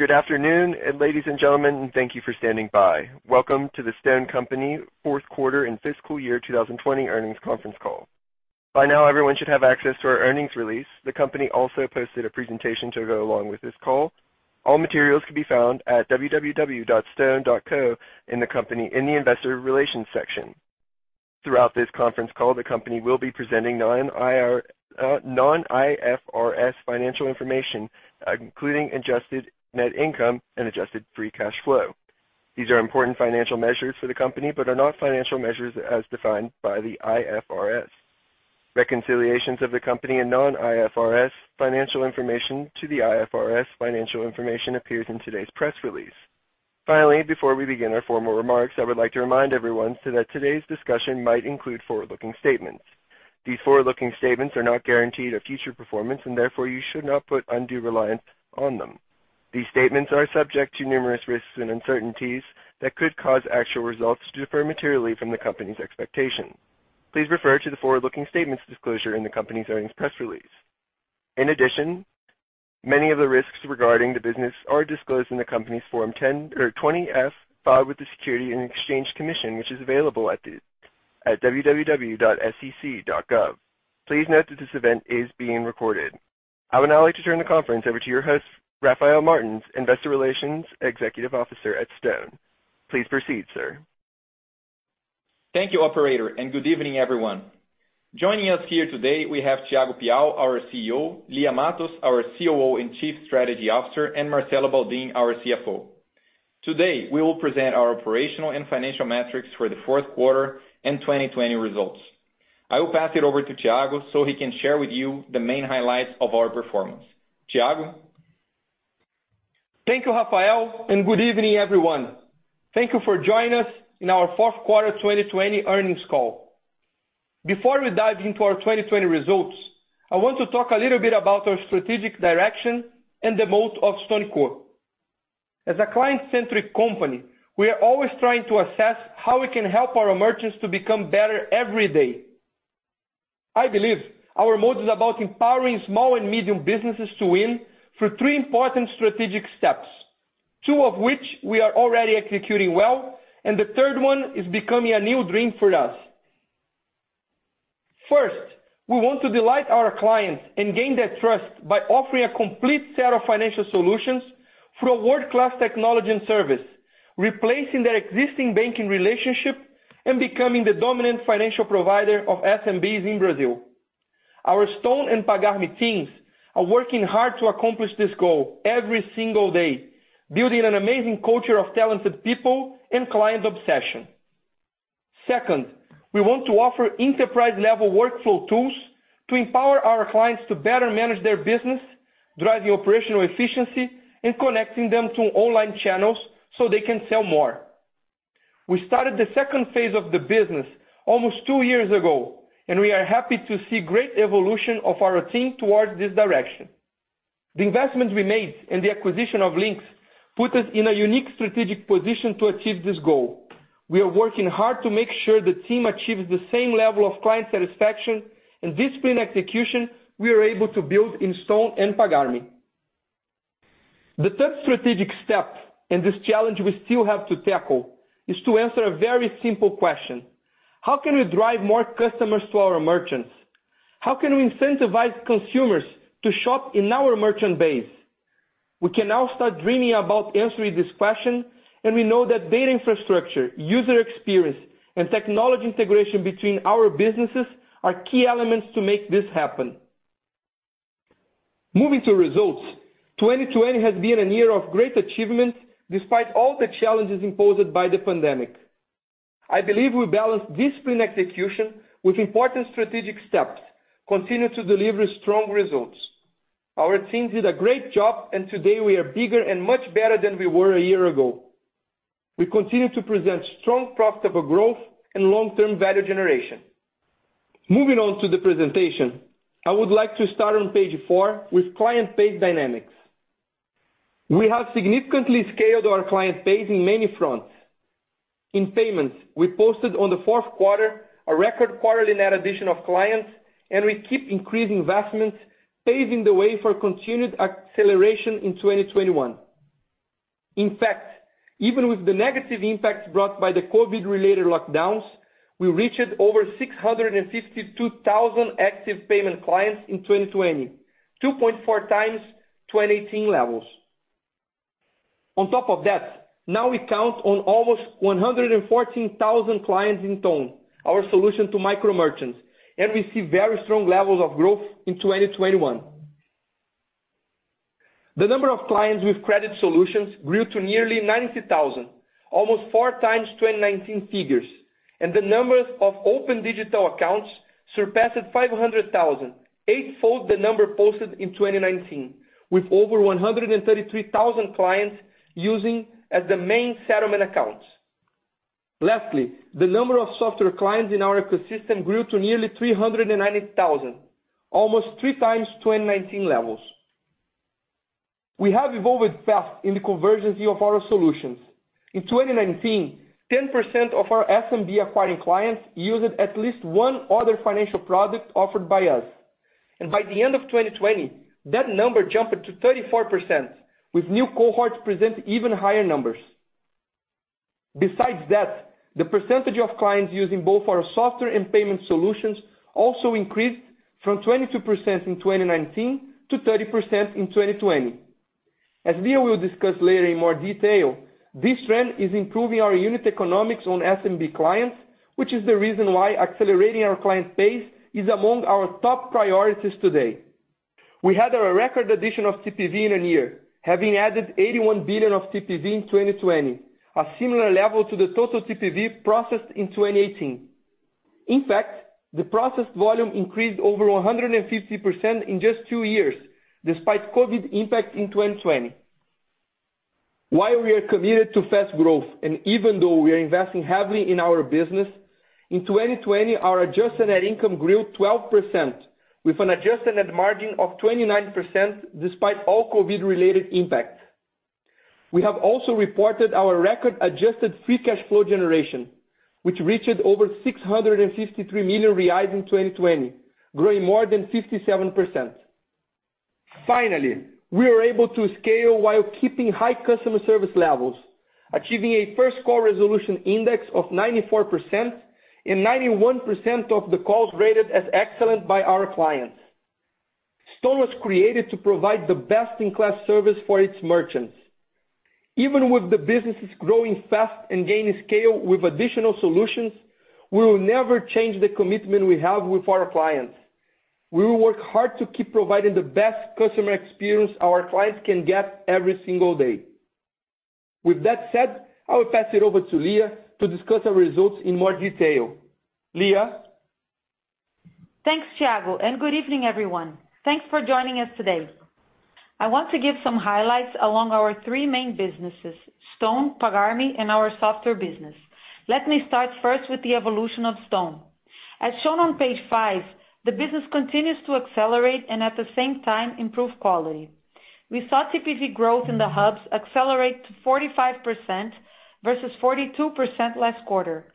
Good afternoon, ladies and gentlemen. Thank you for standing by. Welcome to the Stone Company Fourth Quarter and Fiscal Year 2020 Earnings Conference Call. By now, everyone should have access to our earnings release. The company also posted a presentation to go along with this call. All materials can be found at www.stone.co in the company, in the investor relations section. Throughout this conference call, the company will be presenting non-IFRS financial information, including adjusted net income and adjusted free cash flow. These are important financial measures for the company but are not financial measures as defined by the IFRS. Reconciliations of the company in non-IFRS financial information to the IFRS financial information appears in today's press release. Finally, before we begin our formal remarks, I would like to remind everyone that today's discussion might include forward-looking statements. These forward-looking statements are not guarantees of future performance, and therefore, you should not put undue reliance on them. These statements are subject to numerous risks and uncertainties that could cause actual results to differ materially from the company's expectations. Please refer to the forward-looking statements disclosure in the company's earnings press release. In addition, many of the risks regarding the business are disclosed in the company's Form 20-F filed with the Securities and Exchange Commission, which is available at www.sec.gov. Please note that this event is being recorded. I would now like to turn the conference over to your host, Rafael Martins, Investor Relations Executive Officer at Stone. Please proceed, sir. Thank you, operator, and good evening, everyone. Joining us here today we have Thiago Piau, our CEO, Lia Matos, our COO and chief strategy officer, and Rafael Martins, our CFO. Today, we will present our operational and financial metrics for the fourth quarter and 2020 results. I will pass it over to Thiago so he can share with you the main highlights of our performance. Thiago? Thank you, Rafael. Good evening, everyone. Thank you for joining us in our fourth quarter 2020 earnings call. Before we dive into our 2020 results, I want to talk a little bit about our strategic direction and the moat of StoneCo. As a client-centric company, we are always trying to assess how we can help our merchants to become better every day. I believe our moat is about empowering small and medium businesses to win through three important strategic steps, two of which we are already executing well, and the third one is becoming a new dream for us. First, we want to delight our clients and gain their trust by offering a complete set of financial solutions through world-class technology and service, replacing their existing banking relationship and becoming the dominant financial provider of SMBs in Brazil. Our Stone and Pagar.me teams are working hard to accomplish this goal every single day, building an amazing culture of talented people and client obsession. Second, we want to offer enterprise-level workflow tools to empower our clients to better manage their business, driving operational efficiency and connecting them to online channels so they can sell more. We started the second phase of the business almost two years ago, and we are happy to see great evolution of our team towards this direction. The investments we made and the acquisition of Linx put us in a unique strategic position to achieve this goal. We are working hard to make sure the team achieves the same level of client satisfaction and disciplined execution we are able to build in Stone and Pagar.me. The third strategic step, and this challenge we still have to tackle, is to answer a very simple question: how can we drive more customers to our merchants? How can we incentivize consumers to shop in our merchant base? We can now start dreaming about answering this question, and we know that data infrastructure, user experience, and technology integration between our businesses are key elements to make this happen. Moving to results, 2020 has been a year of great achievements despite all the challenges imposed by the pandemic. I believe we balanced disciplined execution with important strategic steps, continuing to deliver strong results. Our teams did a great job, and today we are bigger and much better than we were a year ago. We continue to present strong profitable growth and long-term value generation. Moving on to the presentation, I would like to start on page four with client base dynamics. We have significantly scaled our client base in many fronts. In payments, we posted on the fourth quarter a record quarterly net addition of clients, and we keep increasing investments, paving the way for continued acceleration in 2021. In fact, even with the negative impacts brought by the COVID-related lockdowns, we reached over 652,000 active payment clients in 2020, 2.4x 2018 levels. On top of that, now we count on almost 114,000 clients in Stone, our solution to micro merchants, and we see very strong levels of growth in 2021. The number of clients with credit solutions grew to nearly 90,000, almost 4x 2019 figures, and the number of open digital accounts surpassed 500,000, eightfold the number posted in 2019, with over 133,000 clients using as their main settlement accounts. Lastly, the number of software clients in our ecosystem grew to nearly 390,000, almost 3x 2019 levels. We have evolved fast in the conversion of our solutions. In 2019, 10% of our SMB acquiring clients used at least one other financial product offered by us. By the end of 2020, that number jumped to 34%, with new cohorts presenting even higher numbers. Besides that, the percentage of clients using both our software and payment solutions also increased from 22% in 2019 to 30% in 2020. As Lia will discuss later in more detail, this trend is improving our unit economics on SMB clients, which is the reason why accelerating our client base is among our top priorities today. We had a record addition of TPV in a year, having added 81 billion of TPV in 2020, a similar level to the total TPV processed in 2018. In fact, the processed volume increased over 150% in just two years, despite COVID impact in 2020. While we are committed to fast growth, and even though we are investing heavily in our business, in 2020, our adjusted net income grew 12%, with an adjusted net margin of 29%, despite all COVID-related impacts. We have also reported our record adjusted free cash flow generation, which reached over 653 million reais in 2020, growing more than 57%. Finally, we are able to scale while keeping high customer service levels, achieving a first call resolution index of 94% and 91% of the calls rated as excellent by our clients. Stone was created to provide the best-in-class service for its merchants. Even with the businesses growing fast and gaining scale with additional solutions, we will never change the commitment we have with our clients. We will work hard to keep providing the best customer experience our clients can get every single day. With that said, I will pass it over to Lia to discuss our results in more detail. Lia? Thanks, Thiago, and good evening, everyone. Thanks for joining us today. I want to give some highlights along our three main businesses, Stone, Pagar.me, and our software business. Let me start first with the evolution of Stone. As shown on page five, the business continues to accelerate and at the same time, improve quality. We saw TPV growth in the hubs accelerate to 45% versus 42% last quarter.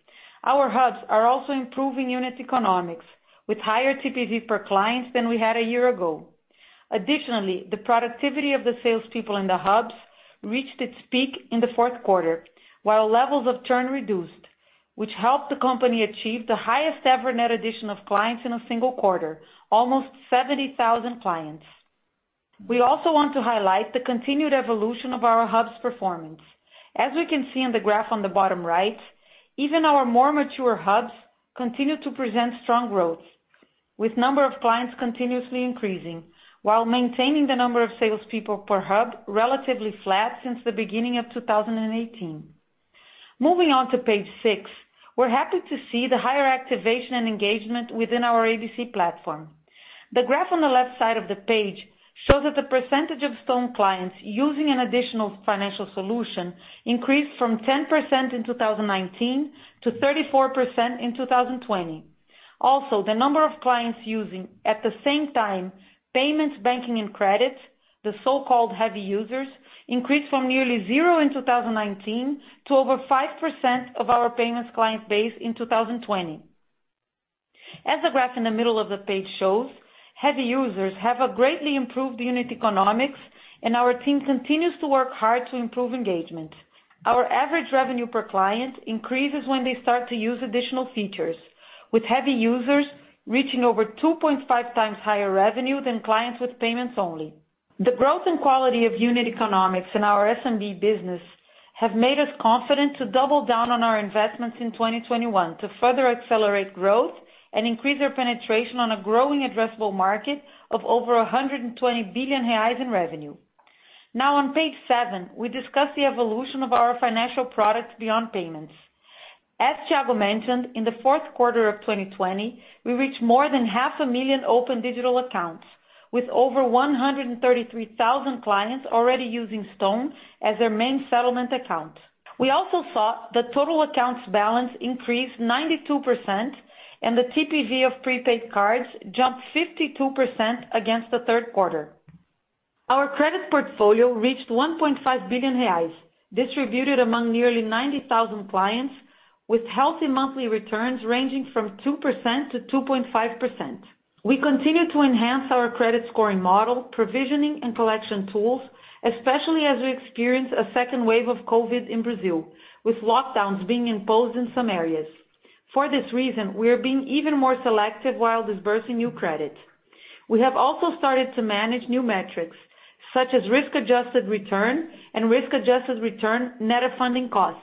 Our hubs are also improving unit economics, with higher TPV per client than we had a year ago. Additionally, the productivity of the salespeople in the hubs reached its peak in the fourth quarter, while levels of churn reduced, which helped the company achieve the highest ever net addition of clients in a single quarter, almost 70,000 clients. We also want to highlight the continued evolution of our hub's performance. As we can see on the graph on the bottom right, even our more mature hubs continue to present strong growth, with number of clients continuously increasing while maintaining the number of salespeople per hub relatively flat since the beginning of 2018. Moving on to page six, we're happy to see the higher activation and engagement within our ABC platform. The graph on the left side of the page shows that the percentage of Stone clients using an additional financial solution increased from 10% in 2019 to 34% in 2020. Also, the number of clients using, at the same time, payments, banking, and credit, the so-called heavy users, increased from nearly zero in 2019 to over 5% of our payments client base in 2020. As the graph in the middle of the page shows, heavy users have a greatly improved unit economics, and our team continues to work hard to improve engagement. Our average revenue per client increases when they start to use additional features, with heavy users reaching over 2.5x higher revenue than clients with payments only. The growth and quality of unit economics in our SMB business have made us confident to double down on our investments in 2021 to further accelerate growth and increase our penetration on a growing addressable market of over 120 billion reais in revenue. Now on page seven, we discuss the evolution of our financial products beyond payments. As Thiago mentioned, in the fourth quarter of 2020, we reached more than half a million open digital accounts, with over 133,000 clients already using Stone as their main settlement account. We also saw the total accounts balance increase 92%, and the TPV of prepaid cards jumped 52% against the third quarter. Our credit portfolio reached 1.5 billion reais, distributed among nearly 90,000 clients, with healthy monthly returns ranging from 2%-2.5%. We continue to enhance our credit scoring model, provisioning, and collection tools, especially as we experience a second wave of COVID in Brazil, with lockdowns being imposed in some areas. For this reason, we are being even more selective while disbursing new credit. We have also started to manage new metrics, such as risk-adjusted return and risk-adjusted return net of funding costs.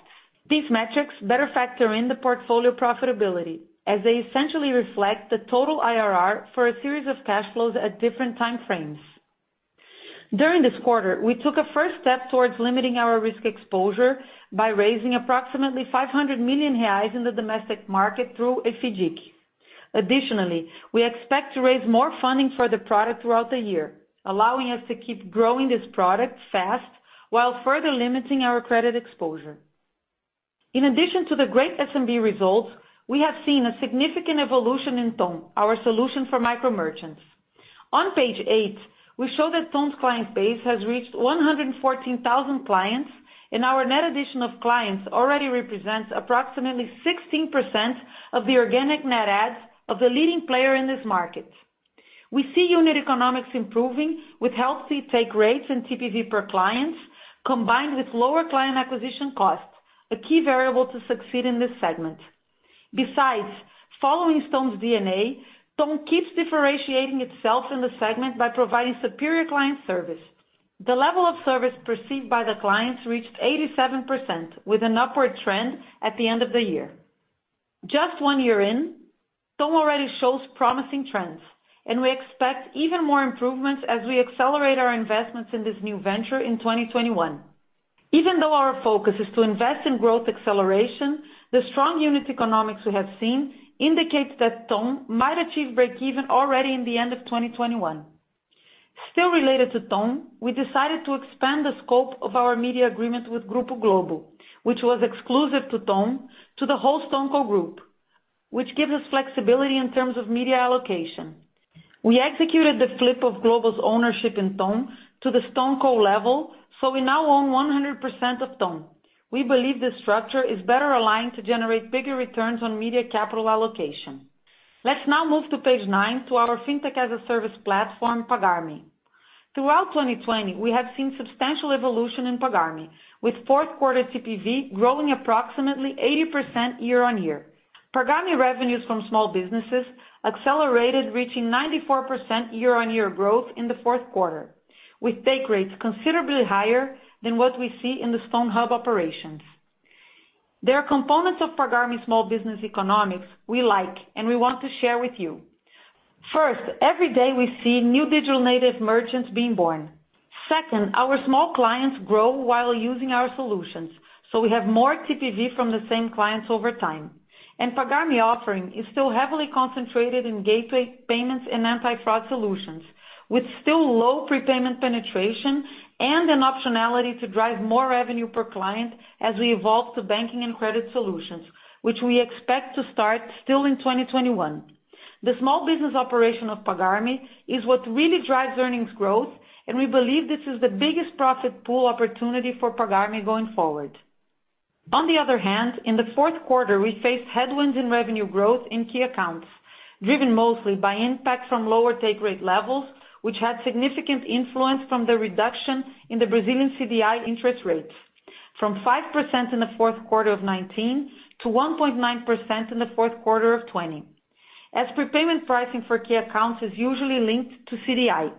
These metrics better factor in the portfolio profitability as they essentially reflect the total IRR for a series of cash flows at different time frames. During this quarter, we took a first step towards limiting our risk exposure by raising approximately 500 million reais in the domestic market through FGIC. We expect to raise more funding for the product throughout the year, allowing us to keep growing this product fast while further limiting our credit exposure. In addition to the great SMB results, we have seen a significant evolution in Ton, our solution for micro merchants. On page eight, we show that Ton's client base has reached 114,000 clients, and our net addition of clients already represents approximately 16% of the organic net adds of the leading player in this market. We see unit economics improving with healthy take rates and TPV per clients, combined with lower client acquisition costs, a key variable to succeed in this segment. Following Ton's DNA, Ton keeps differentiating itself in the segment by providing superior client service. The level of service perceived by the clients reached 87%, with an upward trend at the end of the year. Just one year in, Ton already shows promising trends, and we expect even more improvements as we accelerate our investments in this new venture in 2021. Even though our focus is to invest in growth acceleration, the strong unit economics we have seen indicates that Ton might achieve breakeven already in the end of 2021. Still related to Ton, we decided to expand the scope of our media agreement with Grupo Globo, which was exclusive to Ton, to the whole StoneCo Group, which gives us flexibility in terms of media allocation. We executed the flip of Globo's ownership in Ton to the StoneCo level, so we now own 100% of Ton. We believe this structure is better aligned to generate bigger returns on media capital allocation. Let's now move to page nine to our Fintech-as-a-Service platform, Pagar.me. Throughout 2020, we have seen substantial evolution in Pagar.me, with fourth quarter TPV growing approximately 80% year-on-year. Pagar.me revenues from small businesses accelerated, reaching 94% year-on-year growth in the fourth quarter, with take rates considerably higher than what we see in the Stone operations. There are components of Pagar.me small business economics we like and we want to share with you. First, every day we see new digital native merchants being born. Second, our small clients grow while using our solutions, so we have more TPV from the same clients over time. Pagar.me offering is still heavily concentrated in gateway payments and anti-fraud solutions, with still low prepayment penetration and an optionality to drive more revenue per client as we evolve to banking and credit solutions, which we expect to start still in 2021. The small business operation of Pagar.me is what really drives earnings growth. We believe this is the biggest profit pool opportunity for Pagar.me going forward. On the other hand, in the fourth quarter, we faced headwinds in revenue growth in key accounts, driven mostly by impact from lower take rate levels, which had significant influence from the reduction in the Brazilian CDI interest rates from 5% in the fourth quarter of 2019 to 1.9% in the fourth quarter of 2020, as prepayment pricing for key accounts is usually linked to CDI,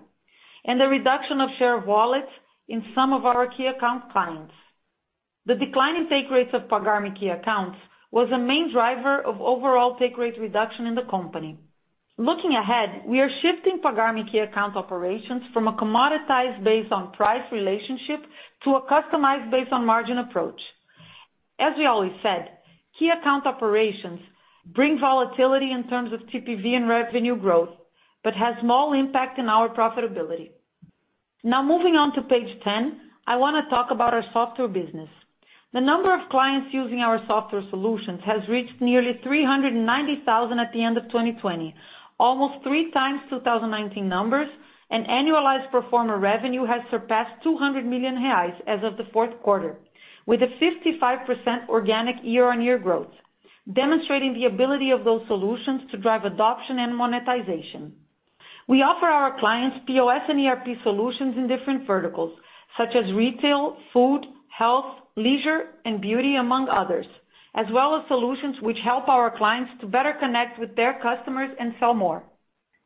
and the reduction of share wallet in some of our key account clients. The decline in take rates of Pagar.me key accounts was a main driver of overall take rate reduction in the company. Looking ahead, we are shifting Pagar.me key account operations from a commoditized based on price relationship to a customized based on margin approach. As we always said, key account operations bring volatility in terms of TPV and revenue growth, has small impact on our profitability. Moving on to page 10, I want to talk about our software business. The number of clients using our software solutions has reached nearly 390,000 at the end of 2020, almost three times 2019 numbers, annualized pro forma revenue has surpassed 200 million reais as of the fourth quarter, with a 55% organic year-on-year growth, demonstrating the ability of those solutions to drive adoption and monetization. We offer our clients POS and ERP solutions in different verticals, such as retail, food, health, leisure, and beauty, among others, as well as solutions which help our clients to better connect with their customers and sell more.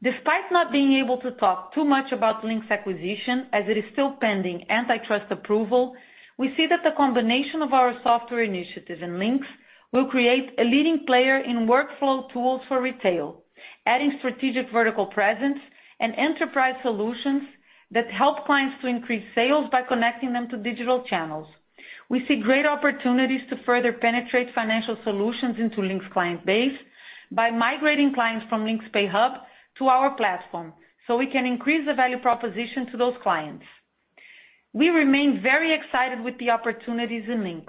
Despite not being able to talk too much about Linx acquisition, as it is still pending antitrust approval, we see that the combination of our software initiative and Linx will create a leading player in workflow tools for retail, adding strategic vertical presence and enterprise solutions that help clients to increase sales by connecting them to digital channels. We see great opportunities to further penetrate financial solutions into Linx's client base by migrating clients from Linx Pay Hub to our platform so we can increase the value proposition to those clients. We remain very excited with the opportunities in Linx.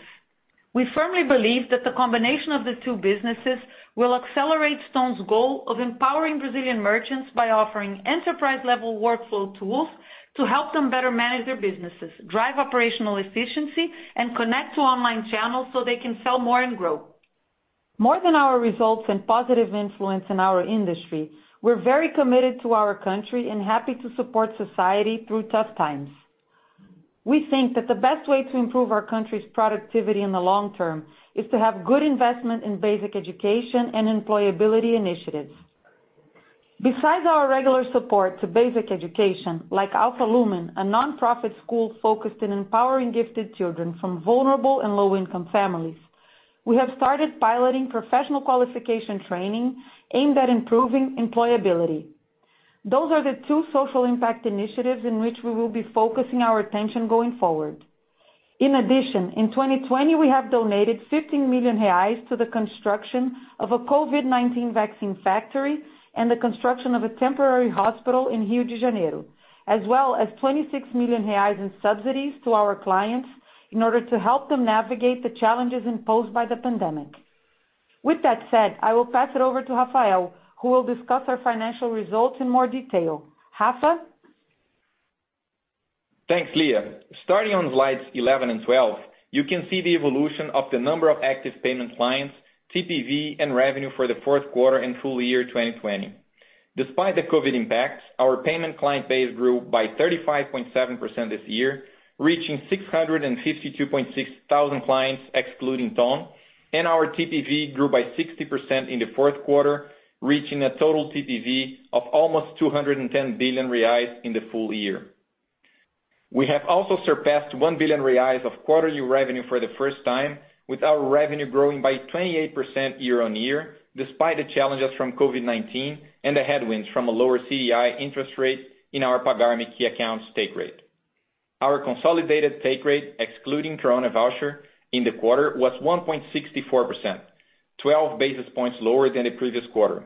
We firmly believe that the combination of the two businesses will accelerate Stone's goal of empowering Brazilian merchants by offering enterprise level workflow tools to help them better manage their businesses, drive operational efficiency, and connect to online channels so they can sell more and grow. More than our results and positive influence in our industry, we're very committed to our country and happy to support society through tough times. We think that the best way to improve our country's productivity in the long term is to have good investment in basic education and employability initiatives. Besides our regular support to basic education, like Alpha Lumen, a nonprofit school focused in empowering gifted children from vulnerable and low income families, we have started piloting professional qualification training aimed at improving employability. Those are the two social impact initiatives in which we will be focusing our attention going forward. In addition, in 2020, we have donated 15 million reais to the construction of a COVID-19 vaccine factory and the construction of a temporary hospital in Rio de Janeiro, as well as 26 million reais in subsidies to our clients in order to help them navigate the challenges imposed by the pandemic. With that said, I will pass it over to Rafael, who will discuss our financial results in more detail. Rafa? Thanks, Lia. Starting on slides 11 and 12, you can see the evolution of the number of active payment clients, TPV, and revenue for the fourth quarter and full year 2020. Despite the COVID impacts, our payment client base grew by 35.7% this year, reaching 652.6 thousand clients, excluding Ton. Our TPV grew by 60% in the fourth quarter, reaching a total TPV of almost 210 billion reais in the full year. We have also surpassed 1 billion reais of quarterly revenue for the first time, with our revenue growing by 28% year-on-year, despite the challenges from COVID-19 and the headwinds from a lower CDI interest rate in our Pagar.me key account take rate. Our consolidated take rate, excluding Coronavoucher in the quarter, was 1.64%, 12 basis points lower than the previous quarter.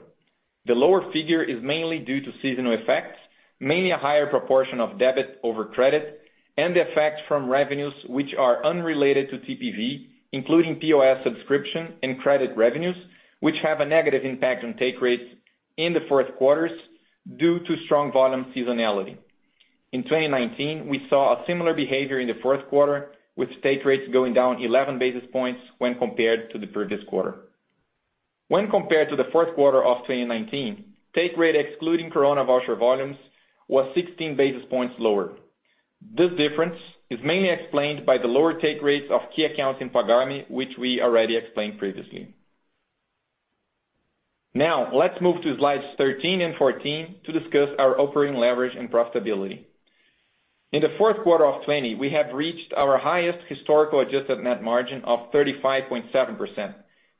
The lower figure is mainly due to seasonal effects, mainly a higher proportion of debit over credit, and the effect from revenues which are unrelated to TPV, including POS subscription and credit revenues, which have a negative impact on take rates in the fourth quarter due to strong volume seasonality. In 2019, we saw a similar behavior in the fourth quarter, with take rates going down 11 basis points when compared to the previous quarter. When compared to the fourth quarter of 2019, take rate excluding Coronavoucher volumes was 16 basis points lower. This difference is mainly explained by the lower take rates of key accounts in Pagar.me, which we already explained previously. Now, let's move to slides 13 and 14 to discuss our operating leverage and profitability. In the fourth quarter of 2020, we have reached our highest historical adjusted net margin of 35.7%,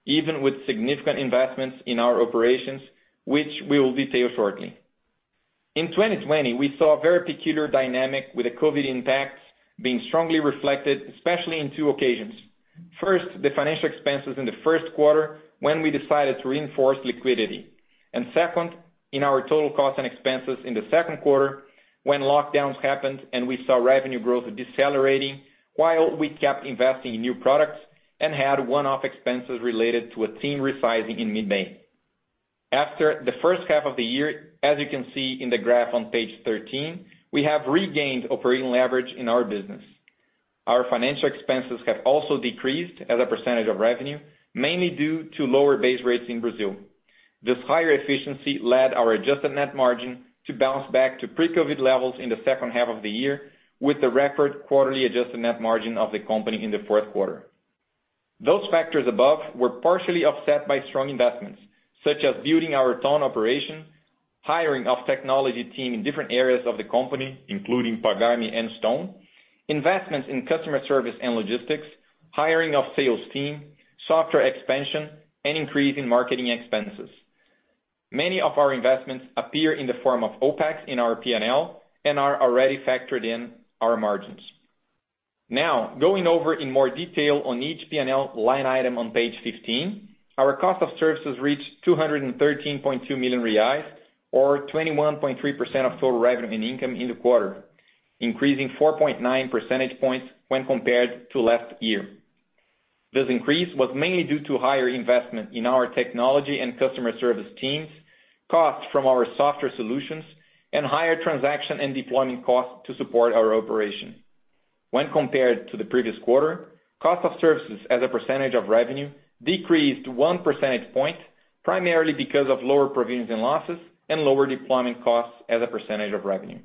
even with significant investments in our operations, which we will detail shortly. In 2020, we saw a very peculiar dynamic with the COVID impacts being strongly reflected, especially in two occasions. First, the financial expenses in the first quarter, when we decided to reinforce liquidity. Second, in our total cost and expenses in the second quarter, when lockdowns happened and we saw revenue growth decelerating while we kept investing in new products and had one-off expenses related to a team resizing in mid-May. After the first half of the year, as you can see in the graph on page 13, we have regained operating leverage in our business. Our financial expenses have also decreased as a % of revenue, mainly due to lower base rates in Brazil. This higher efficiency led our adjusted net margin to bounce back to pre-COVID levels in the second half of the year with the record quarterly adjusted net margin of the company in the fourth quarter. Those factors above were partially offset by strong investments, such as building our Ton operation, hiring of technology team in different areas of the company, including Pagar.me and StoneCo, investments in customer service and logistics, hiring of sales team, software expansion, and increase in marketing expenses. Many of our investments appear in the form of OPEX in our P&L and are already factored in our margins. Now, going over in more detail on each P&L line item on page 15, our cost of services reached 213.2 million reais, or 21.3% of total revenue and income in the quarter, increasing 4.9 percentage points when compared to last year. This increase was mainly due to higher investment in our technology and customer service teams, costs from our software solutions, and higher transaction and deployment costs to support our operation. When compared to the previous quarter, cost of services as a percentage of revenue decreased one percentage point, primarily because of lower provisions and losses and lower deployment costs as a percentage of revenue.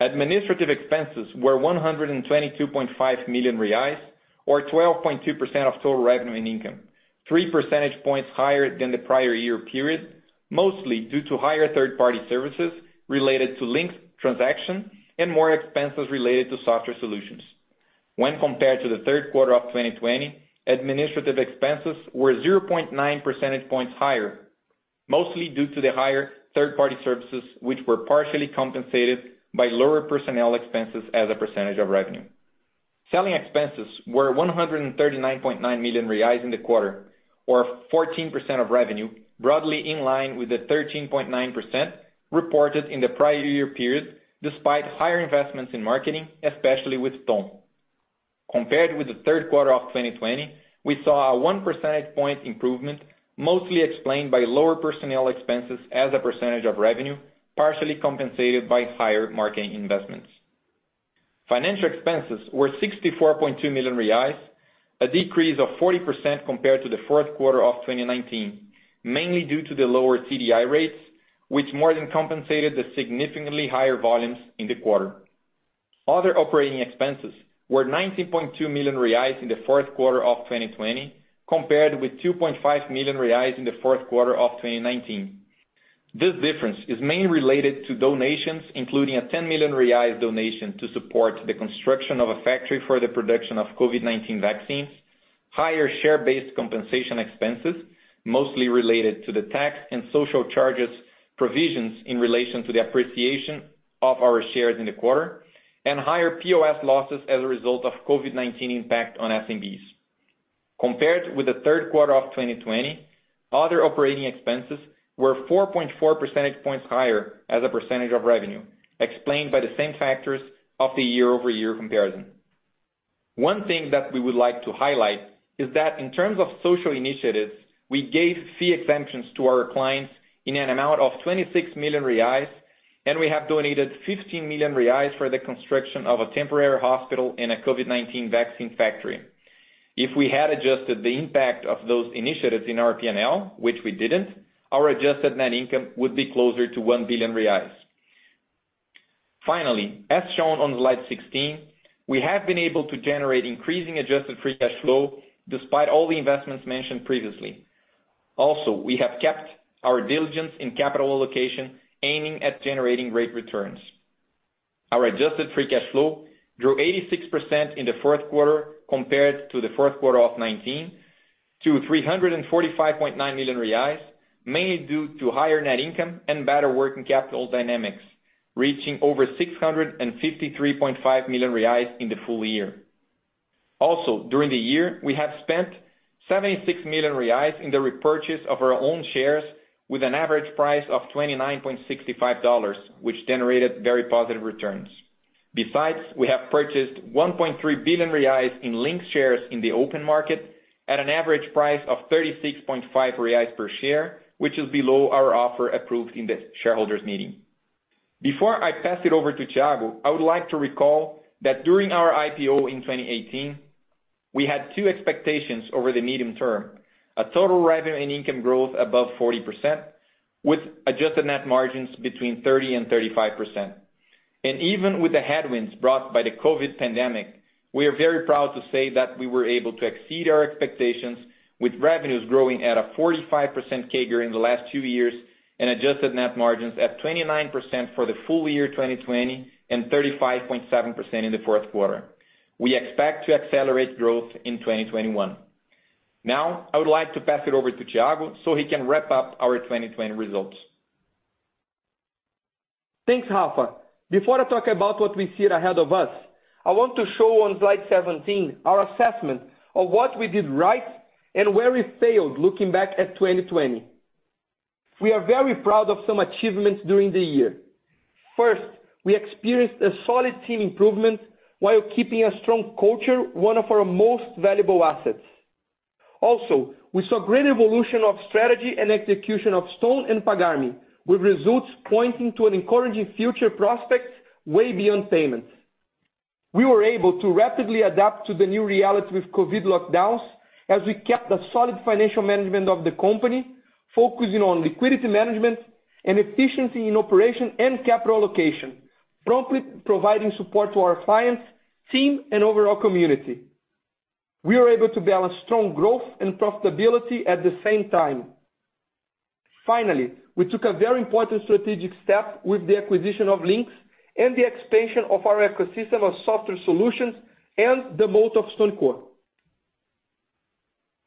Administrative expenses were 122.5 million reais, or 12.2% of total revenue and income, three percentage points higher than the prior year period, mostly due to higher third-party services related to Linx transaction and more expenses related to software solutions. When compared to the third quarter of 2020, administrative expenses were 0.9 percentage points higher, mostly due to the higher third-party services, which were partially compensated by lower personnel expenses as a percentage of revenue. Selling expenses were 139.9 million reais in the quarter, or 14% of revenue, broadly in line with the 13.9% reported in the prior year period, despite higher investments in marketing, especially with Ton. Compared with the third quarter of 2020, we saw a one percentage point improvement, mostly explained by lower personnel expenses as a percentage of revenue, partially compensated by higher marketing investments. Financial expenses were 64.2 million reais, a decrease of 40% compared to the fourth quarter of 2019, mainly due to the lower CDI rates, which more than compensated the significantly higher volumes in the quarter. Other operating expenses were 19.2 million reais in the fourth quarter of 2020, compared with 2.5 million reais in the fourth quarter of 2019. This difference is mainly related to donations, including a 10 million reais donation to support the construction of a factory for the production of COVID-19 vaccines, higher share-based compensation expenses, mostly related to the tax and social charges provisions in relation to the appreciation of our shares in the quarter, and higher POS losses as a result of COVID-19 impact on SMBs. Compared with the third quarter of 2020, other operating expenses were 4.4 percentage points higher as a percentage of revenue, explained by the same factors of the year-over-year comparison. One thing that we would like to highlight is that in terms of social initiatives, we gave fee exemptions to our clients in an amount of 26 million reais, and we have donated 15 million reais for the construction of a temporary hospital and a COVID-19 vaccine factory. If we had adjusted the impact of those initiatives in our P&L, which we didn't, our adjusted net income would be closer to 1 billion reais. Finally, as shown on slide 16, we have been able to generate increasing adjusted free cash flow despite all the investments mentioned previously. Also, we have kept our diligence in capital allocation aiming at generating great returns. Our adjusted free cash flow grew 86% in the fourth quarter compared to the fourth quarter of 2019 to 345.9 million reais, mainly due to higher net income and better working capital dynamics, reaching over 653.5 million reais in the full year. Also, during the year, we have spent 76 million reais in the repurchase of our own shares with an average price of BRL 29.65, which generated very positive returns. Besides, we have purchased 1.3 billion reais in Linx shares in the open market at an average price of 36.5 reais per share, which is below our offer approved in the shareholders' meeting. Before I pass it over to Thiago, I would like to recall that during our IPO in 2018, we had two expectations over the medium term, a total revenue and income growth above 40% with adjusted net margins between 30% and 35%. Even with the headwinds brought by the COVID pandemic, we are very proud to say that we were able to exceed our expectations with revenues growing at a 45% CAGR in the last two years and adjusted net margins at 29% for the full year 2020 and 35.7% in the fourth quarter. We expect to accelerate growth in 2021. Now, I would like to pass it over to Thiago so he can wrap up our 2020 results. Thanks, Rafa. Before I talk about what we see ahead of us, I want to show on slide 17 our assessment of what we did right and where we failed looking back at 2020. We are very proud of some achievements during the year. First, we experienced a solid team improvement while keeping a strong culture, one of our most valuable assets. Also, we saw great evolution of strategy and execution of Stone and Pagar.me, with results pointing to an encouraging future prospect way beyond payments. We were able to rapidly adapt to the new reality with COVID lockdowns as we kept the solid financial management of the company, focusing on liquidity management and efficiency in operation and capital allocation, promptly providing support to our clients, team, and overall community. We were able to balance strong growth and profitability at the same time. Finally, we took a very important strategic step with the acquisition of Linx and the expansion of our ecosystem of software solutions and the moat of StoneCo.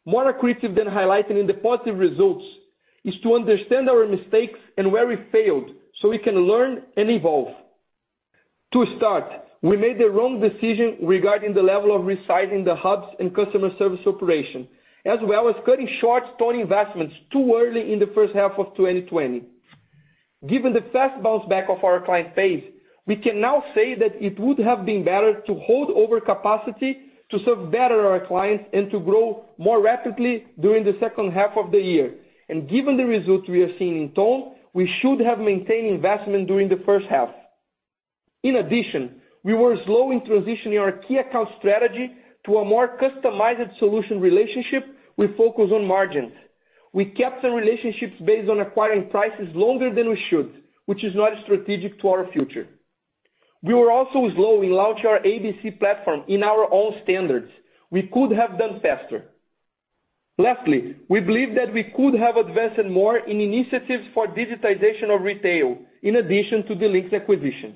More accretive than highlighting the positive results is to understand our mistakes and where we failed so we can learn and evolve. To start, we made the wrong decision regarding the level of resizing the hubs and customer service operation, as well as cutting short Stone investments too early in the first half of 2020. Given the fast bounce back of our client base, we can now say that it would have been better to hold overcapacity to serve better our clients and to grow more rapidly during the second half of the year. Given the results we are seeing in Ton, we should have maintained investment during the first half. In addition, we were slow in transitioning our key account strategy to a more customized solution relationship with focus on margins. We kept some relationships based on acquiring prices longer than we should, which is not strategic to our future. We were also slow in launching our ABC platform in our own standards. We could have done faster. Lastly, we believe that we could have invested more in initiatives for digitization of retail in addition to the Linx acquisition.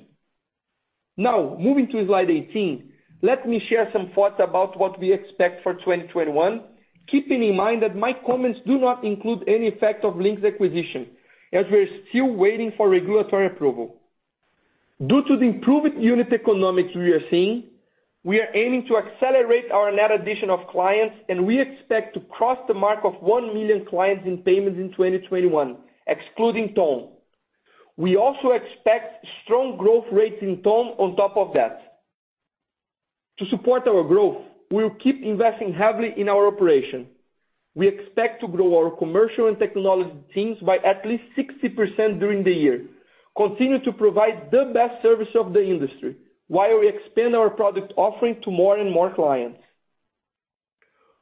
Moving to slide 18, let me share some thoughts about what we expect for 2021, keeping in mind that my comments do not include any effect of Linx acquisition, as we're still waiting for regulatory approval. Due to the improved unit economics we are seeing, we are aiming to accelerate our net addition of clients. We expect to cross the mark of one million clients in payments in 2021, excluding Ton. We also expect strong growth rates in Ton on top of that. To support our growth, we'll keep investing heavily in our operation. We expect to grow our commercial and technology teams by at least 60% during the year, continue to provide the best service of the industry while we expand our product offering to more and more clients.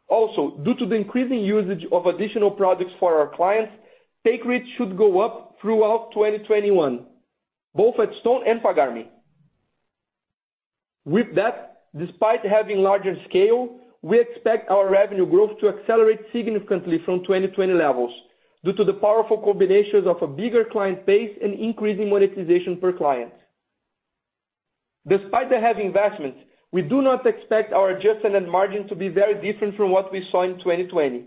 Also, due to the increasing usage of additional products for our clients, take rate should go up throughout 2021, both at Stone and Pagar.me. With that, despite having larger scale, we expect our revenue growth to accelerate significantly from 2020 levels due to the powerful combinations of a bigger client base and increasing monetization per client. Despite the heavy investments, we do not expect our adjusted net margin to be very different from what we saw in 2020.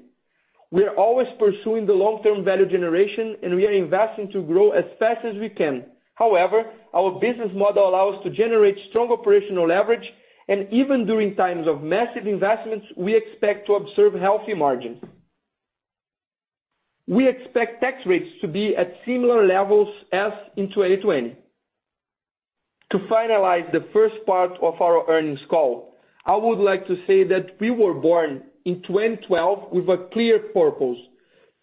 We are always pursuing the long-term value generation, and we are investing to grow as fast as we can. However, our business model allows to generate strong operational leverage, and even during times of massive investments, we expect to observe healthy margins. We expect tax rates to be at similar levels as in 2020. To finalize the first part of our earnings call, I would like to say that we were born in 2012 with a clear purpose: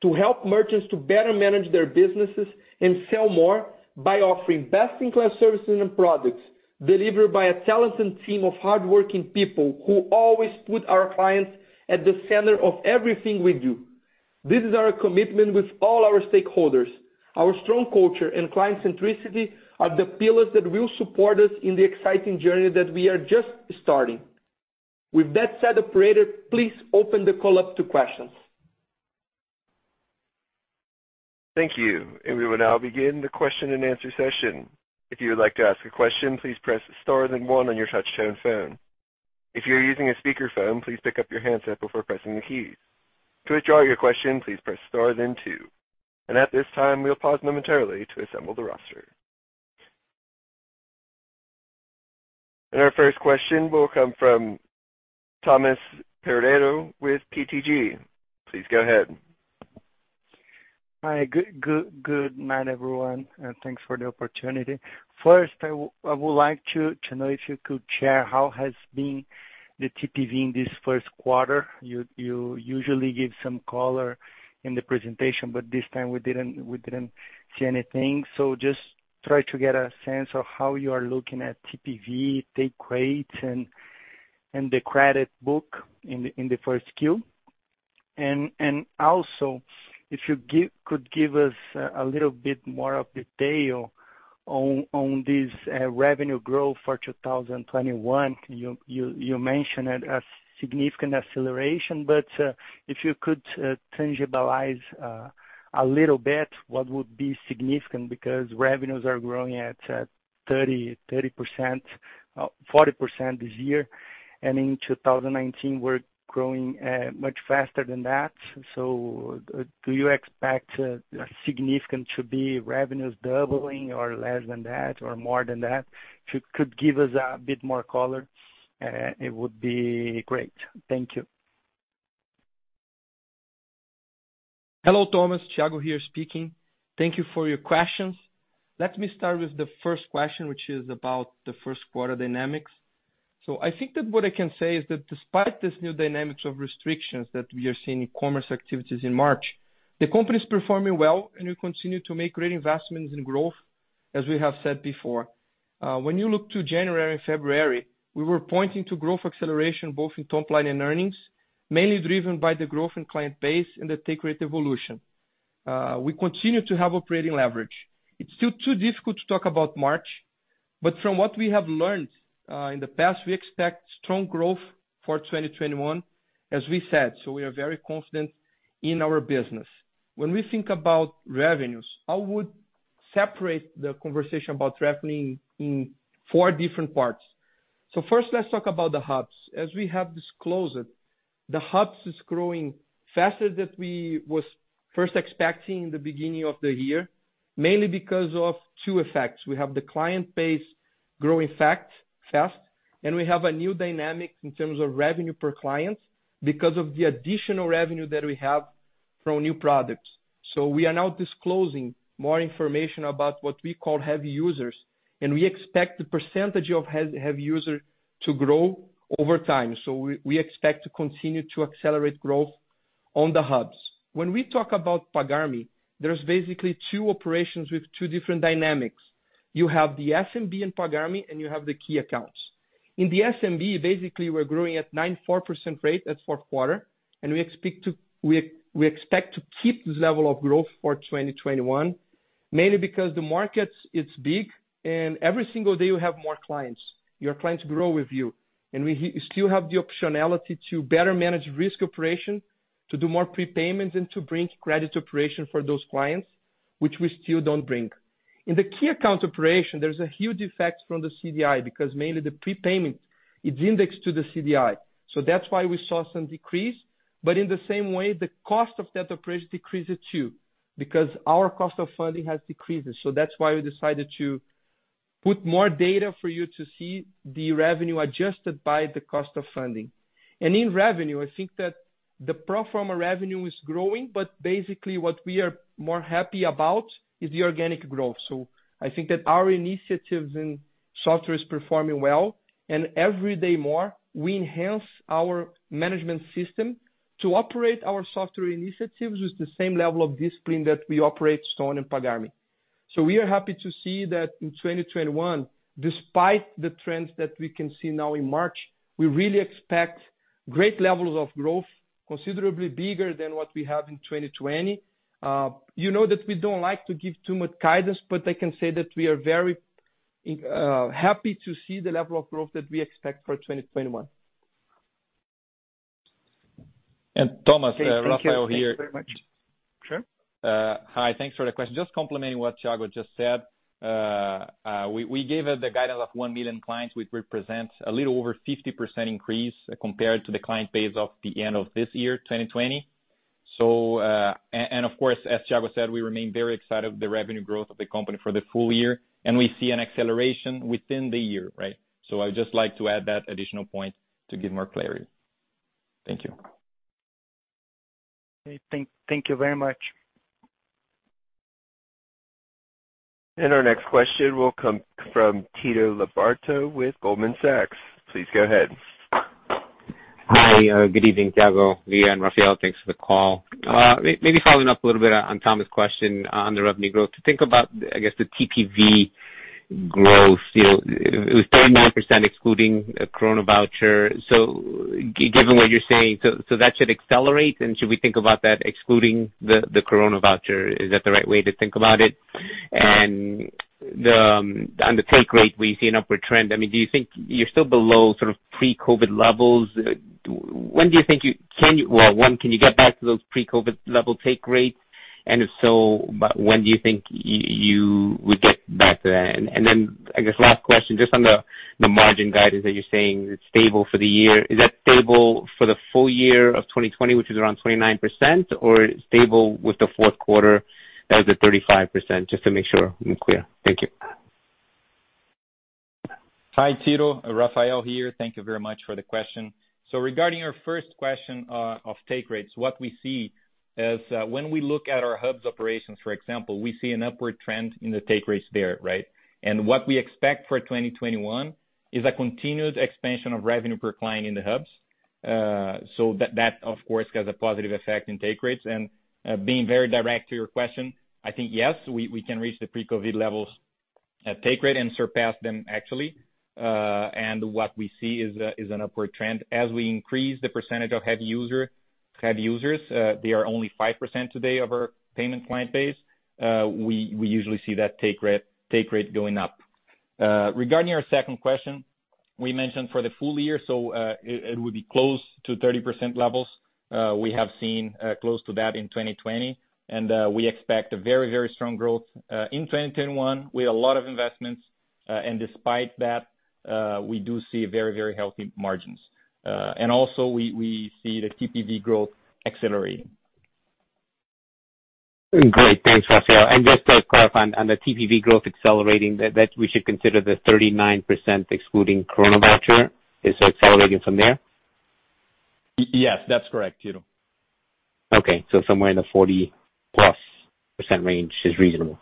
to help merchants to better manage their businesses and sell more by offering best-in-class services and products delivered by a talented team of hardworking people who always put our clients at the center of everything we do. This is our commitment with all our stakeholders. Our strong culture and client centricity are the pillars that will support us in the exciting journey that we are just starting. Operator, please open the call up to questions. Thank you. We will now begin the question-and-answer session. If you would like to ask a question, please press star then one on your touchtone phone. If you are using a speakerphone, please pick up your handset before pressing the keys. To withdraw your question, please press star then two. At this time, we'll pause momentarily to assemble the roster. Our first question will come from Thomas Peredo with BTG. Please go ahead. Hi. Good night, everyone, and thanks for the opportunity. First, I would like to know if you could share how has been the TPV in this first quarter. You usually give some color in the presentation, but this time we didn't see anything. Just try to get a sense of how you are looking at TPV take rates and the credit book in the first Q. Also if you could give us a little bit more of detail on this revenue growth for 2021. You mentioned it as significant acceleration, but if you could tangibilize a little bit what would be significant, because revenues are growing at 30%, 40% this year, and in 2019 were growing much faster than that. Do you expect significant to be revenues doubling or less than that, or more than that? If you could give us a bit more color, it would be great. Thank you. Hello, Thomas. Thiago here speaking. Thank you for your questions. Let me start with the first question, which is about the first quarter dynamics. I think that what I can say is that despite this new dynamics of restrictions that we are seeing in commerce activities in March, the company's performing well, and we continue to make great investments in growth, as we have said before. When you look to January and February, we were pointing to growth acceleration both in top line and earnings, mainly driven by the growth in client base and the take rate evolution. We continue to have operating leverage. It's still too difficult to talk about March, but from what we have learned in the past, we expect strong growth for 2021, as we said. We are very confident in our business. When we think about revenues, I would separate the conversation about revenue in four different parts. First, let's talk about the hubs. As we have disclosed, the hubs is growing faster than we was first expecting in the beginning of the year, mainly because of two effects. We have the client base growing fast, and we have a new dynamic in terms of revenue per client because of the additional revenue that we have from new products. We are now disclosing more information about what we call heavy users, and we expect the percentage of heavy user to grow over time. We expect to continue to accelerate growth on the hubs. When we talk about Pagar.me, there's basically two operations with two different dynamics. You have the SMB in Pagar.me, and you have the key accounts. In the SMB, basically, we're growing at 94% rate at fourth quarter, and we expect to keep this level of growth for 2021, mainly because the market it's big and every single day you have more clients. Your clients grow with you. We still have the optionality to better manage risk operation, to do more prepayments, and to bring credit operation for those clients, which we still don't bring. In the key account operation, there's a huge effect from the CDI, because mainly the prepayment is indexed to the CDI. That's why we saw some decrease. In the same way, the cost of that operation decreases too, because our cost of funding has decreased. That's why we decided to put more data for you to see the revenue adjusted by the cost of funding. In revenue, I think that the pro forma revenue is growing, basically what we are more happy about is the organic growth. I think that our initiatives in software is performing well, and every day more we enhance our management system to operate our software initiatives with the same level of discipline that we operate Stone and Pagar.me. We are happy to see that in 2021, despite the trends that we can see now in March, we really expect great levels of growth, considerably bigger than what we have in 2020. You know that we don't like to give too much guidance, I can say that we are very happy to see the level of growth that we expect for 2021. And Thomas- Okay. Thank you. Rafael here. Thank you very much. Sure. Hi. Thanks for the question. Just complementing what Thiago just said. We gave the guidance of one million clients, which represents a little over 50% increase compared to the client base of the end of this year, 2020. Of course, as Thiago said, we remain very excited of the revenue growth of the company for the full year, and we see an acceleration within the year, right? I would just like to add that additional point to give more clarity. Thank you. Okay. Thank you very much. Our next question will come from Tito Labarta with Goldman Sachs. Please go ahead. Hi. Good evening, Thiago, Lia, and Rafael. Thanks for the call. Maybe following up a little bit on Thomas question on the revenue growth. To think about, I guess, the TPV growth, it was 39% excluding a Coronavoucher. Given what you're saying, so that should accelerate, should we think about that excluding the Coronavoucher? Is that the right way to think about it? On the take rate, we see an upward trend. You're still below sort of pre-COVID levels. One, can you get back to those pre-COVID level take rates? If so, when do you think you would get back to that? I guess last question, just on the margin guidance that you're saying is stable for the year. Is that stable for the full year of 2020, which is around 29%, or stable with the fourth quarter as the 35%, just to make sure I'm clear. Thank you. Hi, Tito. Rafael here. Thank you very much for the question. Regarding your first question of take rates, what we see is when we look at our hubs operations, for example, we see an upward trend in the take rates there, right? What we expect for 2021 is a continued expansion of revenue per client in the hubs. That, of course, has a positive effect in take rates. Being very direct to your question, I think, yes, we can reach the pre-COVID levels at take rate and surpass them, actually. What we see is an upward trend. As we increase the percentage of heavy users, they are only 5% today of our payment client base, we usually see that take rate going up. Regarding your second question, we mentioned for the full year, so it would be close to 30% levels. We have seen close to that in 2020, we expect a very strong growth in 2021 with a lot of investments. Despite that, we do see very healthy margins. Also, we see the TPV growth accelerating. Great. Thanks, Rafael. Just to clarify on the TPV growth accelerating, that we should consider the 39% excluding Coronavoucher? Is it accelerating from there? Yes, that's correct, Tito. Okay. Somewhere in the 40+% range is reasonable.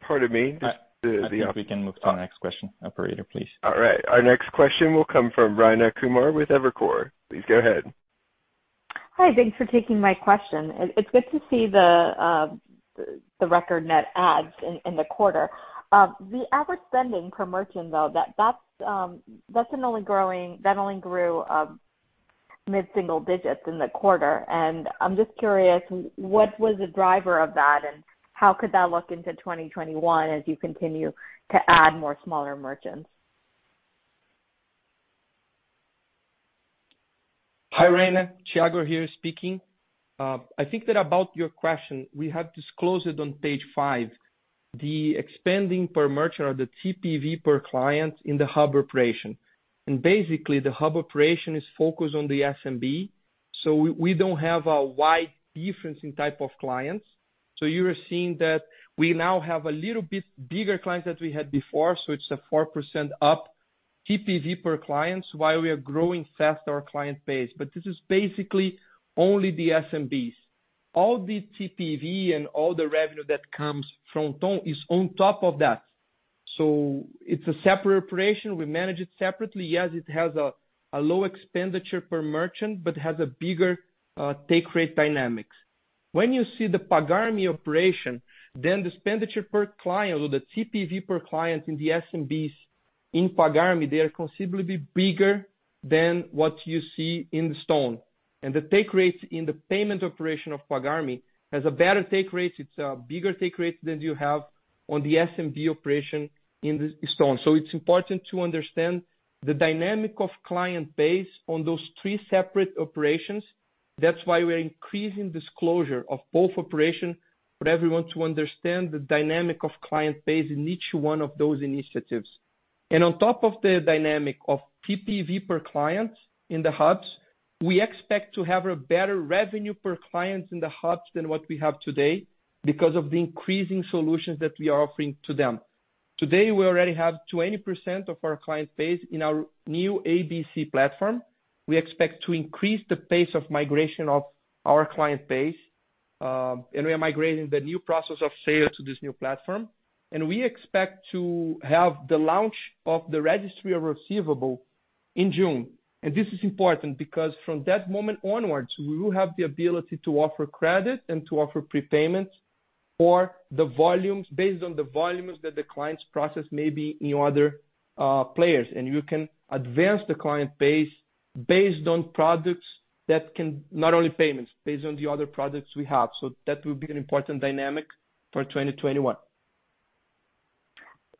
Pardon me. I think we can move to the next question. Operator, please. All right. Our next question will come from Rayna Kumar with Evercore. Please go ahead. Hi. Thanks for taking my question. It's good to see the record net adds in the quarter. The average spending per merchant, though, that only grew mid-single digits in the quarter. I'm just curious, what was the driver of that, and how could that look into 2021 as you continue to add more smaller merchants? Hi, Rayna. Thiago here speaking. I think that about your question, we have disclosed it on page five, the expanding per merchant or the TPV per client in the hub operation. Basically, the hub operation is focused on the SMB, so we don't have a wide difference in type of clients. You are seeing that we now have a little bit bigger clients than we had before, so it's a 4% up TPV per clients while we are growing fast our client base. This is basically only the SMBs. All the TPV and all the revenue that comes from Stone is on top of that. It's a separate operation. We manage it separately. Yes, it has a low expenditure per merchant but has a bigger take rate dynamics. When you see the Pagar.me operation, the expenditure per client or the TPV per client in the SMBs in Pagar.me, they are considerably bigger than what you see in Stone. The take rates in the payment operation of Pagar.me has a better take rate. It's a bigger take rate than you have on the SMB operation in Stone. It's important to understand the dynamic of client base on those three separate operations. That's why we're increasing disclosure of both operations for everyone to understand the dynamic of client base in each one of those initiatives. On top of the dynamic of TPV per client in the hubs, we expect to have a better revenue per client in the hubs than what we have today because of the increasing solutions that we are offering to them. Today, we already have 20% of our client base in our new ABC platform. We expect to increase the pace of migration of our client base, and we are migrating the new process of sale to this new platform. We expect to have the launch of the registry of receivable in June. This is important because from that moment onwards, we will have the ability to offer credit and to offer prepayments for the volumes based on the volumes that the clients process may be in other players. You can advance the client base based on products that Not only payments, based on the other products we have. That will be an important dynamic for 2021.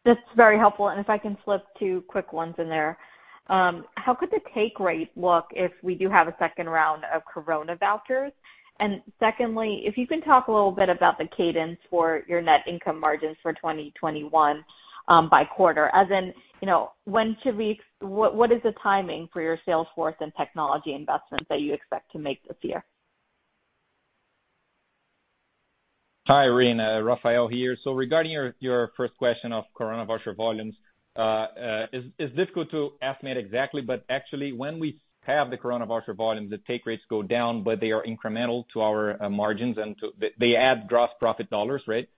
That's very helpful. If I can slip two quick ones in there. How could the take rate look if we do have a second round of Coronavouchers? Secondly, if you can talk a little bit about the cadence for your net income margins for 2021 by quarter. As in, what is the timing for your sales force and technology investments that you expect to make this year? Hi, Rayna. Rafael here. Regarding your first question of Coronavoucher volumes, it's difficult to estimate exactly, but actually, when we have the Coronavoucher volumes, the take rates go down, but they are incremental to our margins and they add gross profit dollars, right?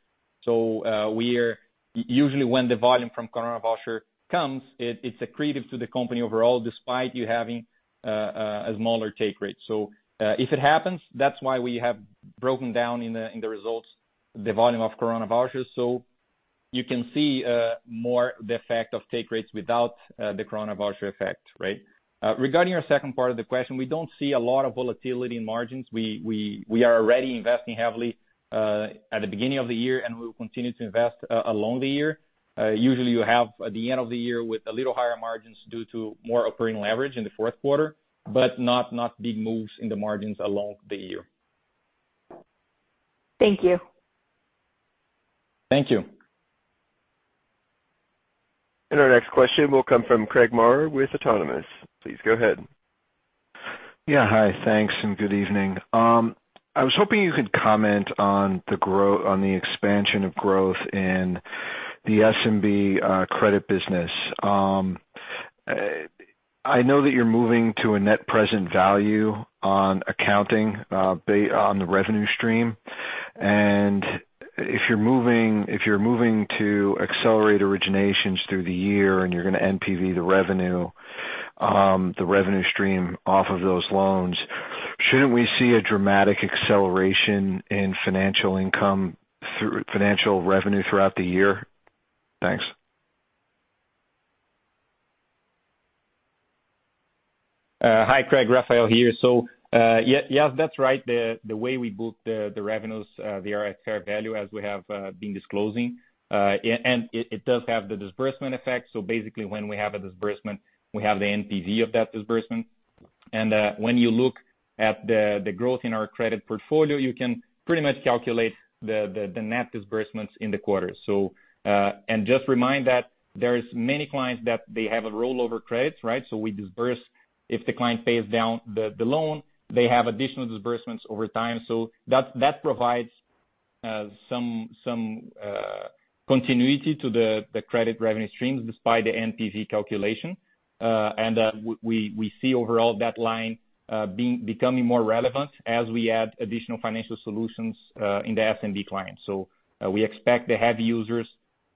Usually when the volume from Coronavoucher comes, it's accretive to the company overall, despite you having a smaller take rate. If it happens, that's why we have broken down in the results the volume of Coronavouchers. You can see more the effect of take rates without the Coronavoucher effect, right? Regarding your second part of the question, we don't see a lot of volatility in margins. We are already investing heavily at the beginning of the year, and we will continue to invest along the year. Usually, you have the end of the year with a little higher margins due to more operating leverage in the fourth quarter, but not big moves in the margins along the year. Thank you. Thank you. Our next question will come from Craig Maurer with Autonomous. Please go ahead. Yeah. Hi. Thanks and good evening. I was hoping you could comment on the expansion of growth in the SMB credit business. I know that you're moving to a net present value on accounting on the revenue stream, if you're moving to accelerate originations through the year and you're going to NPV the revenue stream off of those loans, shouldn't we see a dramatic acceleration in financial revenue throughout the year? Thanks. Hi, Craig. Rafael here. Yes, that's right. The way we book the revenues, they are at fair value as we have been disclosing. It does have the disbursement effect. Basically when we have a disbursement, we have the NPV of that disbursement. When you look at the growth in our credit portfolio, you can pretty much calculate the net disbursements in the quarter. Just remind that there is many clients that they have a rollover credits, right? We disburse if the client pays down the loan, they have additional disbursements over time. That provides some continuity to the credit revenue streams despite the NPV calculation. We see overall that line becoming more relevant as we add additional financial solutions in the SMB clients. We expect the heavy users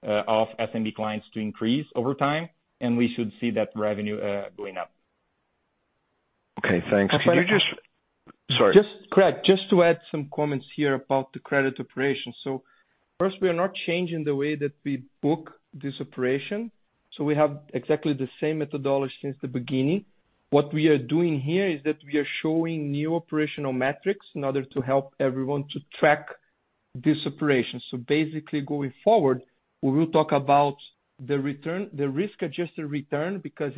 of SMB clients to increase over time, and we should see that revenue going up. Okay, thanks. Rafael. Sorry. Craig, just to add some comments here about the credit operation. First, we are not changing the way that we book this operation. We have exactly the same methodology since the beginning. What we are doing here is that we are showing new operational metrics in order to help everyone to track this operation. Basically, going forward, we will talk about the risk-adjusted return because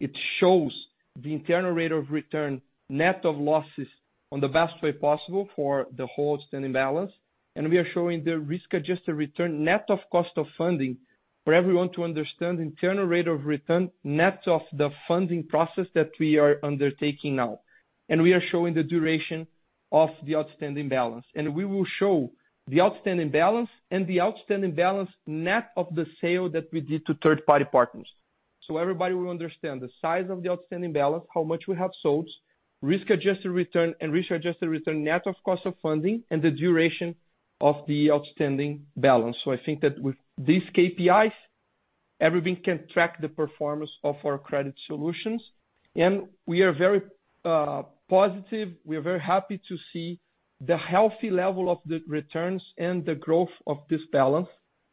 it shows the internal rate of return net of losses on the best way possible for the whole standing balance. We are showing the risk-adjusted return net of cost of funding for everyone to understand internal rate of return net of the funding process that we are undertaking now. We are showing the duration of the outstanding balance. We will show the outstanding balance and the outstanding balance net of the sale that we did to third-party partners. Everybody will understand the size of the outstanding balance, how much we have sold, risk-adjusted return, and risk-adjusted return net of cost of funding, and the duration of the outstanding balance. I think that with these KPIs, everything can track the performance of our credit solutions. We are very positive. We are very happy to see the healthy level of the returns and the growth of this balance.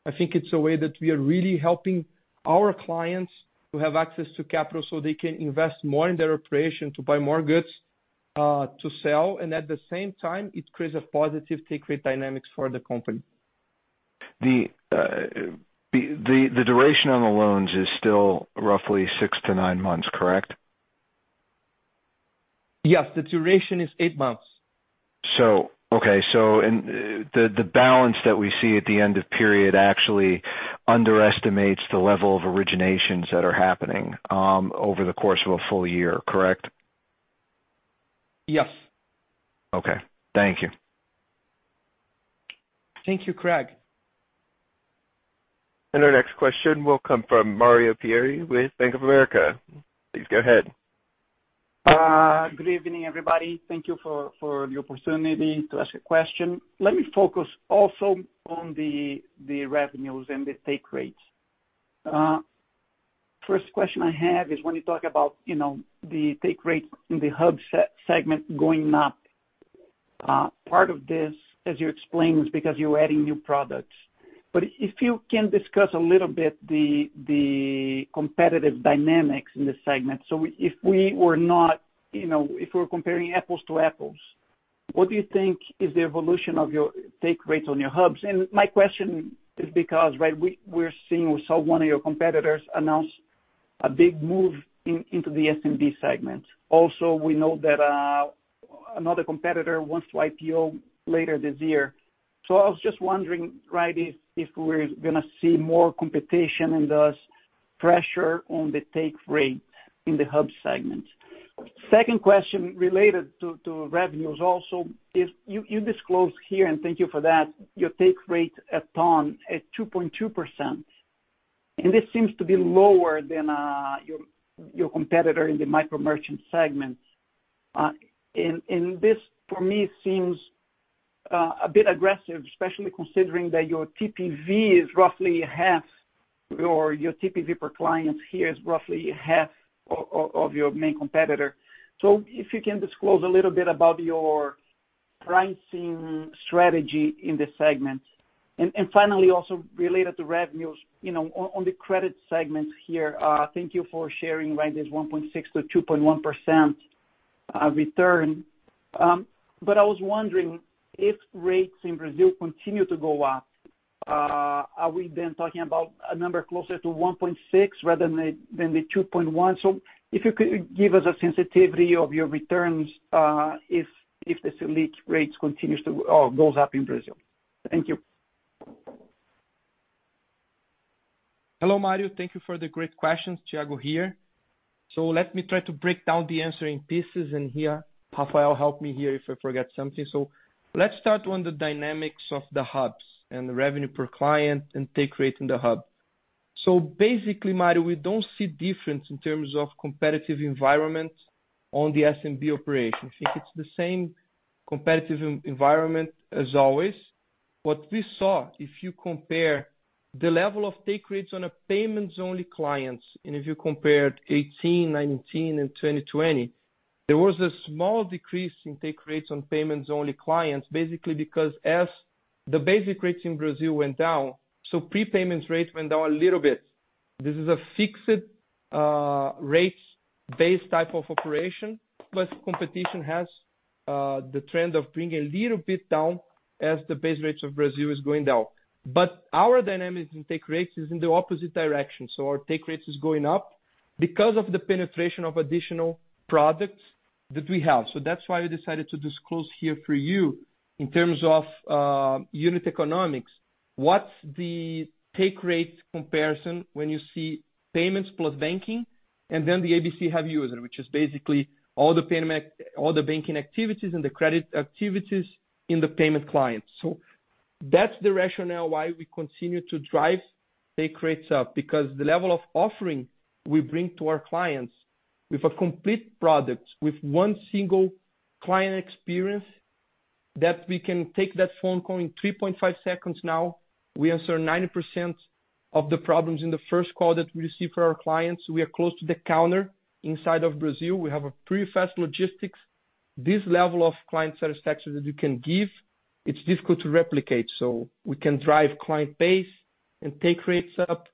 I think it's a way that we are really helping our clients who have access to capital so they can invest more in their operation to buy more goods to sell. At the same time, it creates a positive take rate dynamics for the company. The duration on the loans is still roughly six to nine months, correct? Yes. The duration is eight months. Okay. The balance that we see at the end of period actually underestimates the level of originations that are happening over the course of a full year, correct? Yes. Okay. Thank you. Thank you, Craig. Our next question will come from Mario Pierry with Bank of America. Please go ahead. Good evening, everybody. Thank you for the opportunity to ask a question. Let me focus also on the revenues and the take rates. First question I have is when you talk about the take rate in the hub segment going up, part of this, as you explained, is because you're adding new products. If you can discuss a little bit the competitive dynamics in this segment. If we're comparing apples to apples, what do you think is the evolution of your take rates on your hubs? My question is because, right, we saw one of your competitors announce a big move into the SMB segment. Also, we know that another competitor wants to IPO later this year. I was just wondering, right, if we're going to see more competition and pressure on the take rate in the hub segment. Second question related to revenues also is, you disclosed here, and thank you for that, your take rate at Ton at 2.2%. This seems to be lower than your competitor in the micro merchant segment. This, for me, seems a bit aggressive, especially considering that your TPV is roughly half, or your TPV per client here is roughly half of your main competitor. If you can disclose a little bit about your pricing strategy in this segment. Finally, also related to revenues, on the credit segment here, thank you for sharing this 1.6%-2.1% return. I was wondering if rates in Brazil continue to go up, are we then talking about a number closer to 1.6% rather than the 2.1%? If you could give us a sensitivity of your returns if the Selic rates goes up in Brazil. Thank you. Hello, Mario. Thank you for the great questions. Thiago here. Let me try to break down the answer in pieces in here. Rafael, help me here if I forget something. Let's start on the dynamics of the hubs and the revenue per client and take rate in the hub. Basically, Mario, we don't see difference in terms of competitive environment on the SMB operations. I think it's the same competitive environment as always. What we saw, if you compare the level of take rates on a payments-only client, and if you compared 2018, 2019, and 2020, there was a small decrease in take rates on payments-only clients, basically because as the basic rates in Brazil went down, so prepayments rates went down a little bit. This is a fixed rate-based type of operation. Competition has the trend of bringing a little bit down as the base rates of Brazil is going down. Our dynamics in take rates is in the opposite direction. Our take rates is going up because of the penetration of additional products that we have. That's why we decided to disclose here for you in terms of unit economics, what's the take rate comparison when you see payments plus banking, and then the ABC user, which is basically all the banking activities and the credit activities in the payment client. That's the rationale why we continue to drive take rates up, because the level of offering we bring to our clients with a complete product, with one single client experience that we can take that phone call in 3.5 seconds now, we answer 90% of the problems in the first call that we receive for our clients. We are close to the counter inside of Brazil. We have a pretty fast logistics. This level of client satisfaction that you can give, it's difficult to replicate. We can drive client base and take rates up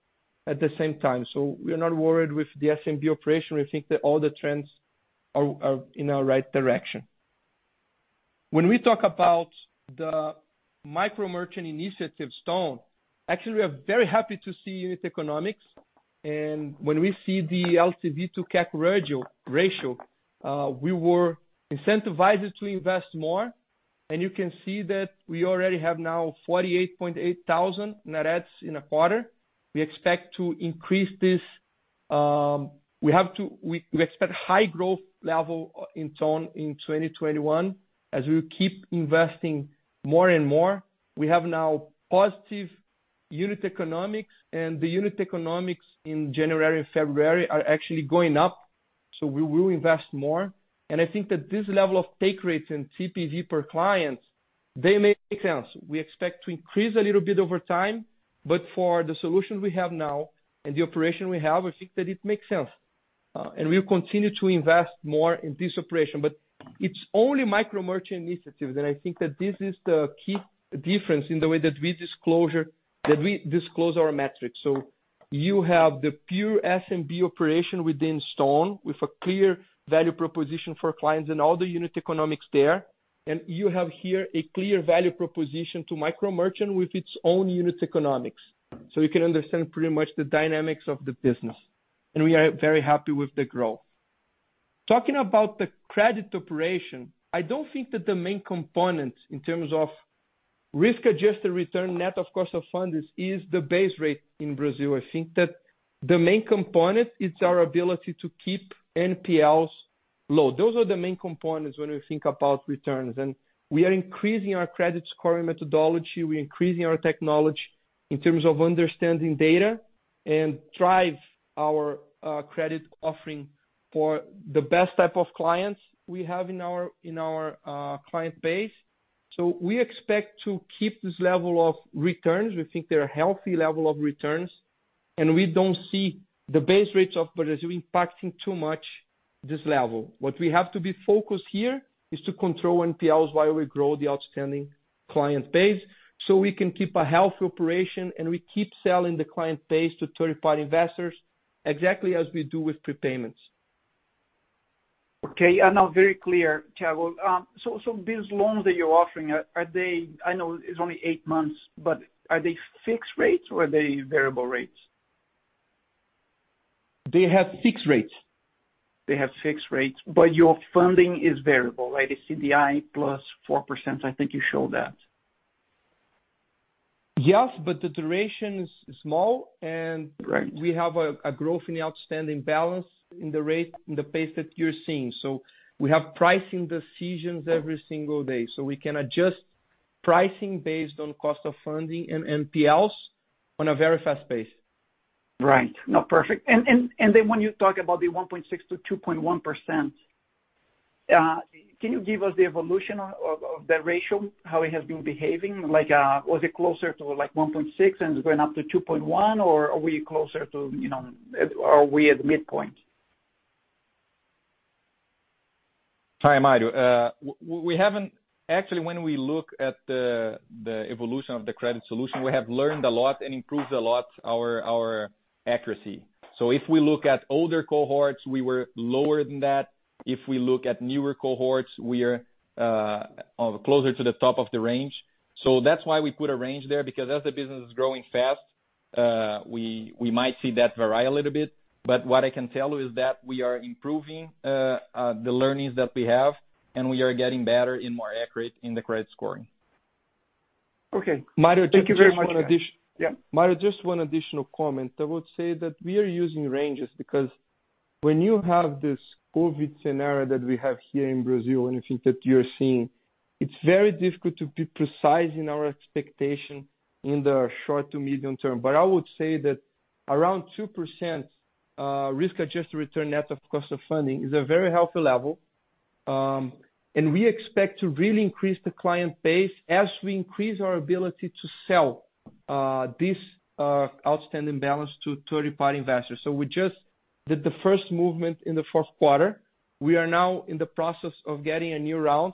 at the same time. We are not worried with the SMB operation. We think that all the trends are in our right direction. When we talk about the micro merchant initiative, Stone, actually, we are very happy to see unit economics. When we see the LTV to CAC ratio, we were incentivized to invest more. You can see that we already have now 48,800 net adds in a quarter. We expect to increase this. We expect high growth level in Stone in 2021 as we keep investing more and more. We have now positive unit economics, and the unit economics in January and February are actually going up. We will invest more. I think that this level of take rates and TPV per clients, they make sense. We expect to increase a little bit over time, but for the solutions we have now and the operation we have, I think that it makes sense. We'll continue to invest more in this operation. It's only micro merchant initiatives, and I think that this is the key difference in the way that we disclose our metrics. You have the pure SMB operation within Stone with a clear value proposition for clients and all the unit economics there. You have here a clear value proposition to micro merchant with its own unit economics. You can understand pretty much the dynamics of the business. We are very happy with the growth. Talking about the credit operation, I don't think that the main component in terms of risk-adjusted return, net of cost of funds, is the base rate in Brazil. I think that the main component is our ability to keep NPLs low. Those are the main components when we think about returns. We are increasing our credit scoring methodology. We're increasing our technology in terms of understanding data and drive our credit offering for the best type of clients we have in our client base. We expect to keep this level of returns. We think they're a healthy level of returns, and we don't see the base rates of Brazil impacting too much this level. What we have to be focused here is to control NPLs while we grow the outstanding client base so we can keep a healthy operation and we keep selling the client base to third-party investors exactly as we do with prepayments. Okay. Now very clear, Thiago. These loans that you're offering, I know it's only eight months, but are they fixed rates or are they variable rates? They have fixed rates. They have fixed rates, but your funding is variable, right? It's CDI +4%. I think you showed that. Yes, the duration is small. Right. We have a growth in the outstanding balance in the pace that you're seeing. We have pricing decisions every single day. We can adjust pricing based on cost of funding and NPLs on a very fast pace. Right. No, perfect. When you talk about the 1.6%-2.1%, can you give us the evolution of the ratio, how it has been behaving? Was it closer to 1.6% and it is going up to 2.1%, or are we at midpoint? Hi, Mario. Actually, when we look at the evolution of the credit solution, we have learned a lot and improved a lot our accuracy. If we look at older cohorts, we were lower than that. If we look at newer cohorts, we are closer to the top of the range. That's why we put a range there, because as the business is growing fast, we might see that vary a little bit. What I can tell you is that we are improving the learnings that we have, and we are getting better and more accurate in the credit scoring. Okay. Thank you very much, guys. Mario, just one additional comment. I would say that we are using ranges because when you have this COVID scenario that we have here in Brazil, and I think that you're seeing, it's very difficult to be precise in our expectation in the short to medium term. I would say that around 2% risk-adjusted return net of cost of funding is a very healthy level. We expect to really increase the client base as we increase our ability to sell this outstanding balance to third-party investors. We just did the first movement in the fourth quarter. We are now in the process of getting a new round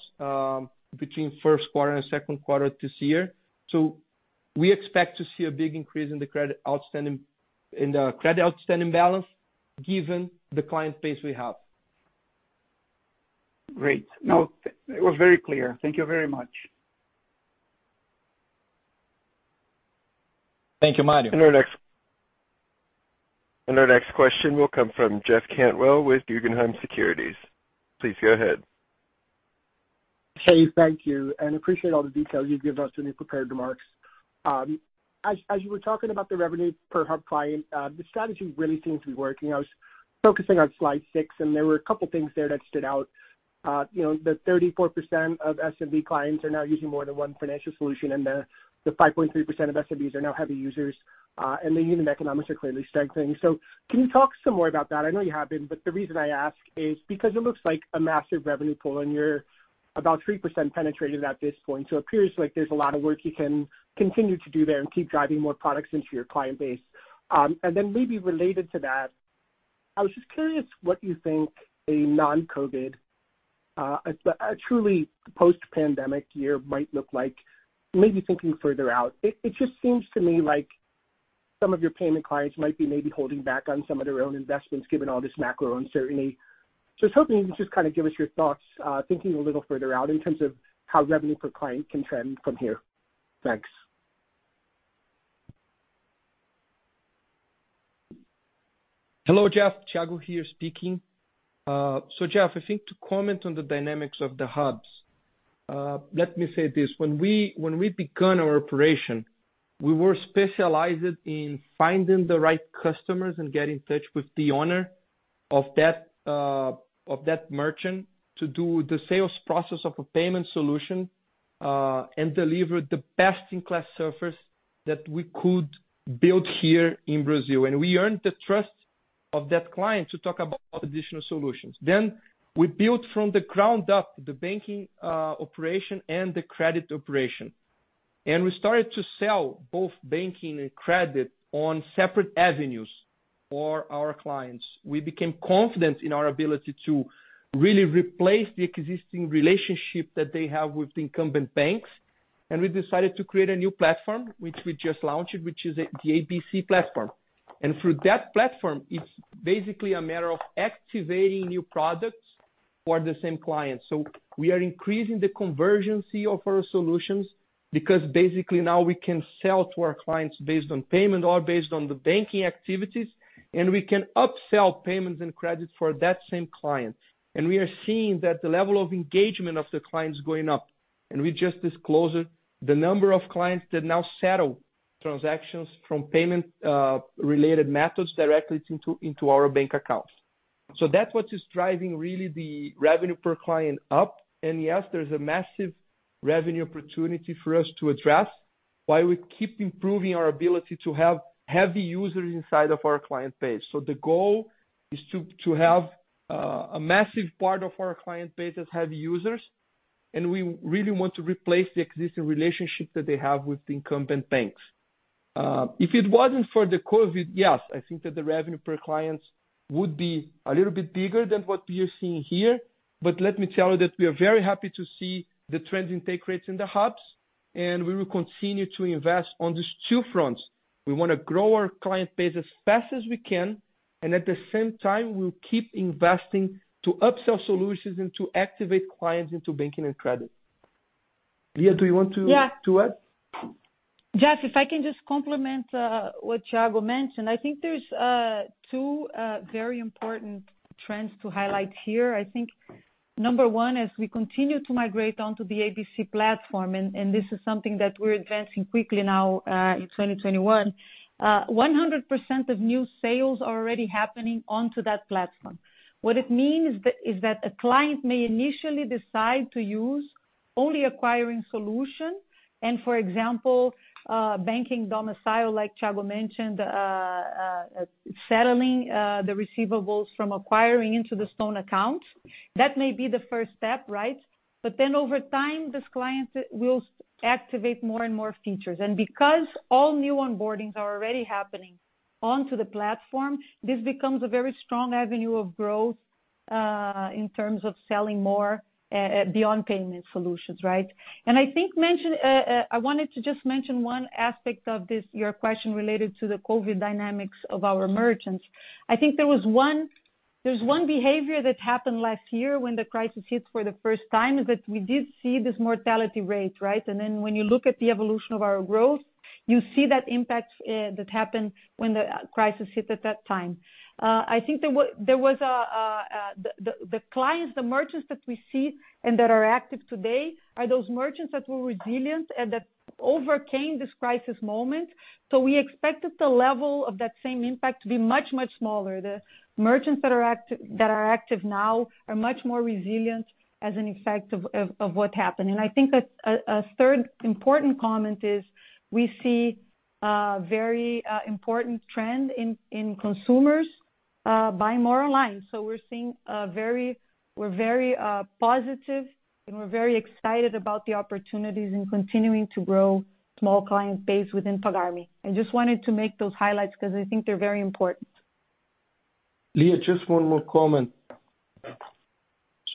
between first quarter and second quarter this year. We expect to see a big increase in the credit outstanding balance given the client base we have. Great. It was very clear. Thank you very much. Thank you, Mario. Our next question will come from Jeff Cantwell with Guggenheim Securities. Please go ahead. Hey, thank you, and appreciate all the details you've given us in your prepared remarks. As you were talking about the revenue per hub client, the strategy really seems to be working. I was focusing on slide six, and there were a couple things there that stood out. The 34% of SMB clients are now using more than one financial solution, and the 5.3% of SMBs are now heavy users, and the unit economics are clearly strengthening. Can you talk some more about that? I know you have been, but the reason I ask is because it looks like a massive revenue pool, and you're about 3% penetrated at this point. It appears like there's a lot of work you can continue to do there and keep driving more products into your client base. Maybe related to that, I was just curious what you think a non-COVID, a truly post-pandemic year might look like. Maybe thinking further out. It just seems to me like some of your payment clients might be maybe holding back on some of their own investments given all this macro uncertainty. I was hoping you could just give us your thoughts, thinking a little further out in terms of how revenue per client can trend from here. Thanks. Hello, Jeff. Thiago here speaking. Jeff, I think to comment on the dynamics of the hubs. Let me say this. When we begun our operation, we were specialized in finding the right customers and get in touch with the owner of that merchant to do the sales process of a payment solution, and deliver the best-in-class service that we could build here in Brazil. We earned the trust of that client to talk about additional solutions. We built from the ground up the banking operation and the credit operation. We started to sell both banking and credit on separate avenues for our clients. We became confident in our ability to really replace the existing relationship that they have with incumbent banks. We decided to create a new platform, which we just launched, which is the ABC platform. Through that platform, it's basically a matter of activating new products for the same client. We are increasing the convergence of our solutions because basically now we can sell to our clients based on payment or based on the banking activities, and we can upsell payments and credits for that same client. We are seeing that the level of engagement of the client is going up. We just disclosed the number of clients that now settle transactions from payment-related methods directly into our bank accounts. That's what is driving really the revenue per client up. Yes, there's a massive revenue opportunity for us to address while we keep improving our ability to have heavy users inside of our client base. The goal is to have a massive part of our client base as heavy users, and we really want to replace the existing relationship that they have with incumbent banks. If it wasn't for the COVID, yes, I think that the revenue per clients would be a little bit bigger than what we are seeing here. Let me tell you that we are very happy to see the trends in take rates in the hubs, and we will continue to invest on these two fronts. We want to grow our client base as fast as we can, and at the same time, we'll keep investing to upsell solutions and to activate clients into banking and credit. Lia, do you want to add? Yeah. Jeff, if I can just complement what Thiago mentioned. I think there's two very important trends to highlight here. Number one, as we continue to migrate onto the ABC platform, this is something that we're advancing quickly now in 2021. 100% of new sales are already happening onto that platform. What it means is that a client may initially decide to use only acquiring solution, and for example, banking domicile, like Thiago mentioned, settling the receivables from acquiring into the Stone account. That may be the first step, right? Over time, this client will activate more and more features. Because all new onboardings are already happening onto the platform, this becomes a very strong avenue of growth, in terms of selling more beyond payment solutions. I wanted to just mention one aspect of your question related to the COVID dynamics of our merchants. I think there's one behavior that happened last year when the crisis hit for the first time, is that we did see this mortality rate. Right? When you look at the evolution of our growth, you see that impact that happened when the crisis hit at that time. I think the clients, the merchants that we see and that are active today, are those merchants that were resilient and that overcame this crisis moment. We expected the level of that same impact to be much, much smaller. The merchants that are active now are much more resilient as an effect of what happened. I think a third important comment is we see a very important trend in consumers buying more online. We're very positive and we're very excited about the opportunities in continuing to grow small client base within Pagar.me. I just wanted to make those highlights because I think they're very important. Lia, just one more comment.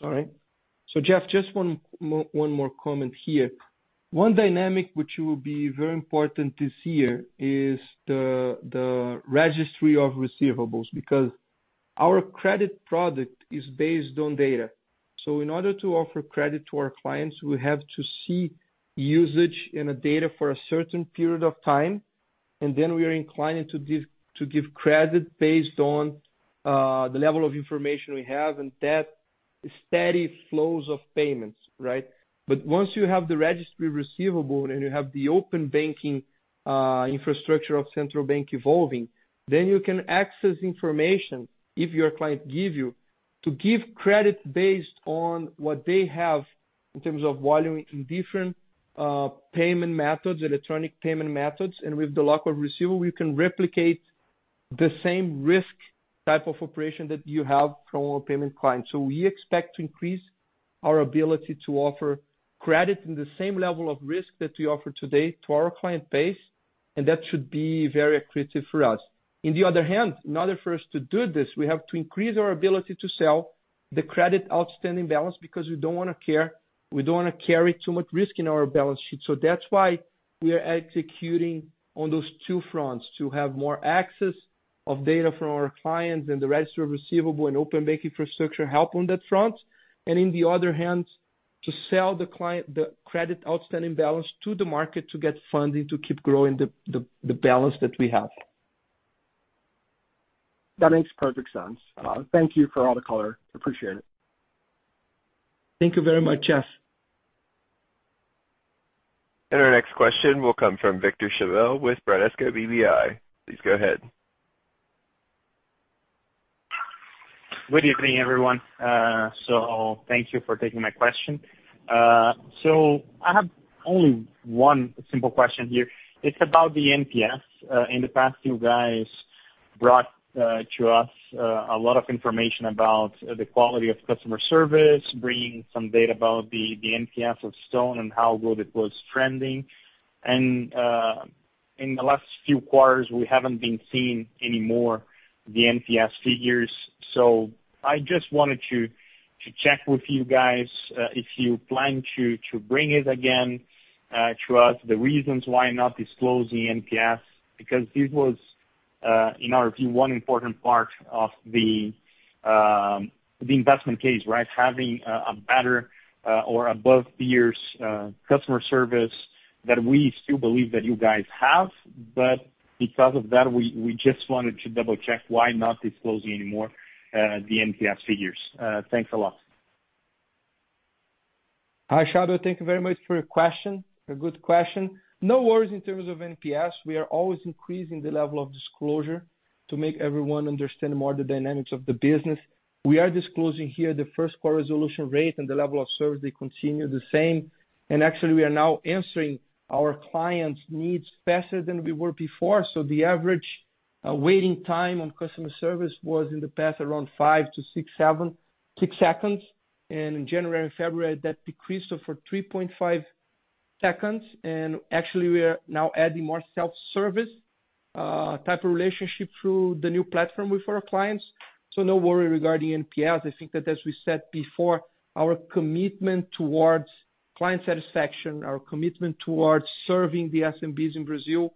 Sorry. Jeff, just one more comment here. One dynamic which will be very important this year is the registry of receivables, because our credit product is based on data. In order to offer credit to our clients, we have to see usage in a data for a certain period of time, and then we are inclined to give credit based on the level of information we have and that steady flows of payments. Right? Once you have the registry receivable, and you have the open banking infrastructure of central bank evolving, then you can access information if your client gives you to give credit based on what they have in terms of volume in different payment methods, electronic payment methods. With the lock of receivable, you can replicate the same risk type of operation that you have from a payment client. We expect to increase our ability to offer credit in the same level of risk that we offer today to our client base, and that should be very accretive for us. In the other hand, in order for us to do this, we have to increase our ability to sell the credit outstanding balance because we don't want to carry too much risk in our balance sheet. That's why we are executing on those two fronts, to have more access of data from our clients, and the register of receivable and open bank infrastructure help on that front. In the other hand, to sell the credit outstanding balance to the market to get funding to keep growing the balance that we have. That makes perfect sense. Thank you for all the color. Appreciate it. Thank you very much, Jeff. Our next question will come from Victor Schabbel with Bradesco BBI. Please go ahead. Good evening, everyone. Thank you for taking my question. I have only one simple question here. It's about the NPS. In the past, you guys brought to us a lot of information about the quality of customer service, bringing some data about the NPS of Stone and how good it was trending. In the last few quarters, we haven't been seeing anymore the NPS figures. I just wanted to check with you guys if you plan to bring it again to us, the reasons why not disclose the NPS, because this was, in our view, one important part of the investment case. Having a better or above peers customer service that we still believe that you guys have. Because of that, we just wanted to double-check why not disclose anymore the NPS figures. Thanks a lot. Hi, Schabbel. Thank you very much for your question. A good question. No worries in terms of NPS. We are always increasing the level of disclosure to make everyone understand more the dynamics of the business. We are disclosing here the first quarter resolution rate and the level of service, they continue the same. Actually, we are now answering our clients' needs faster than we were before. The average waiting time on customer service was in the past around five to six seconds. In January and February, that decreased for 3.5 seconds. Actually, we are now adding more self-service type of relationship through the new platform with our clients. No worry regarding NPS. I think that as we said before, our commitment towards client satisfaction, our commitment towards serving the SMBs in Brazil, is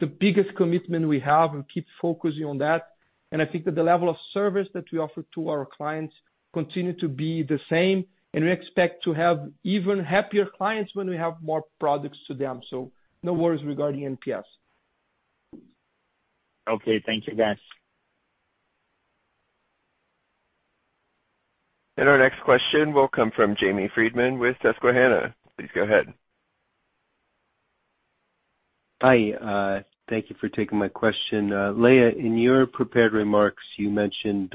the biggest commitment we have and keep focusing on that. I think that the level of service that we offer to our clients continue to be the same, and we expect to have even happier clients when we have more products to them. No worries regarding NPS. Okay, thank you guys. Our next question will come from Jamie Friedman with Susquehanna. Please go ahead. Hi. Thank you for taking my question. Lia, in your prepared remarks, you mentioned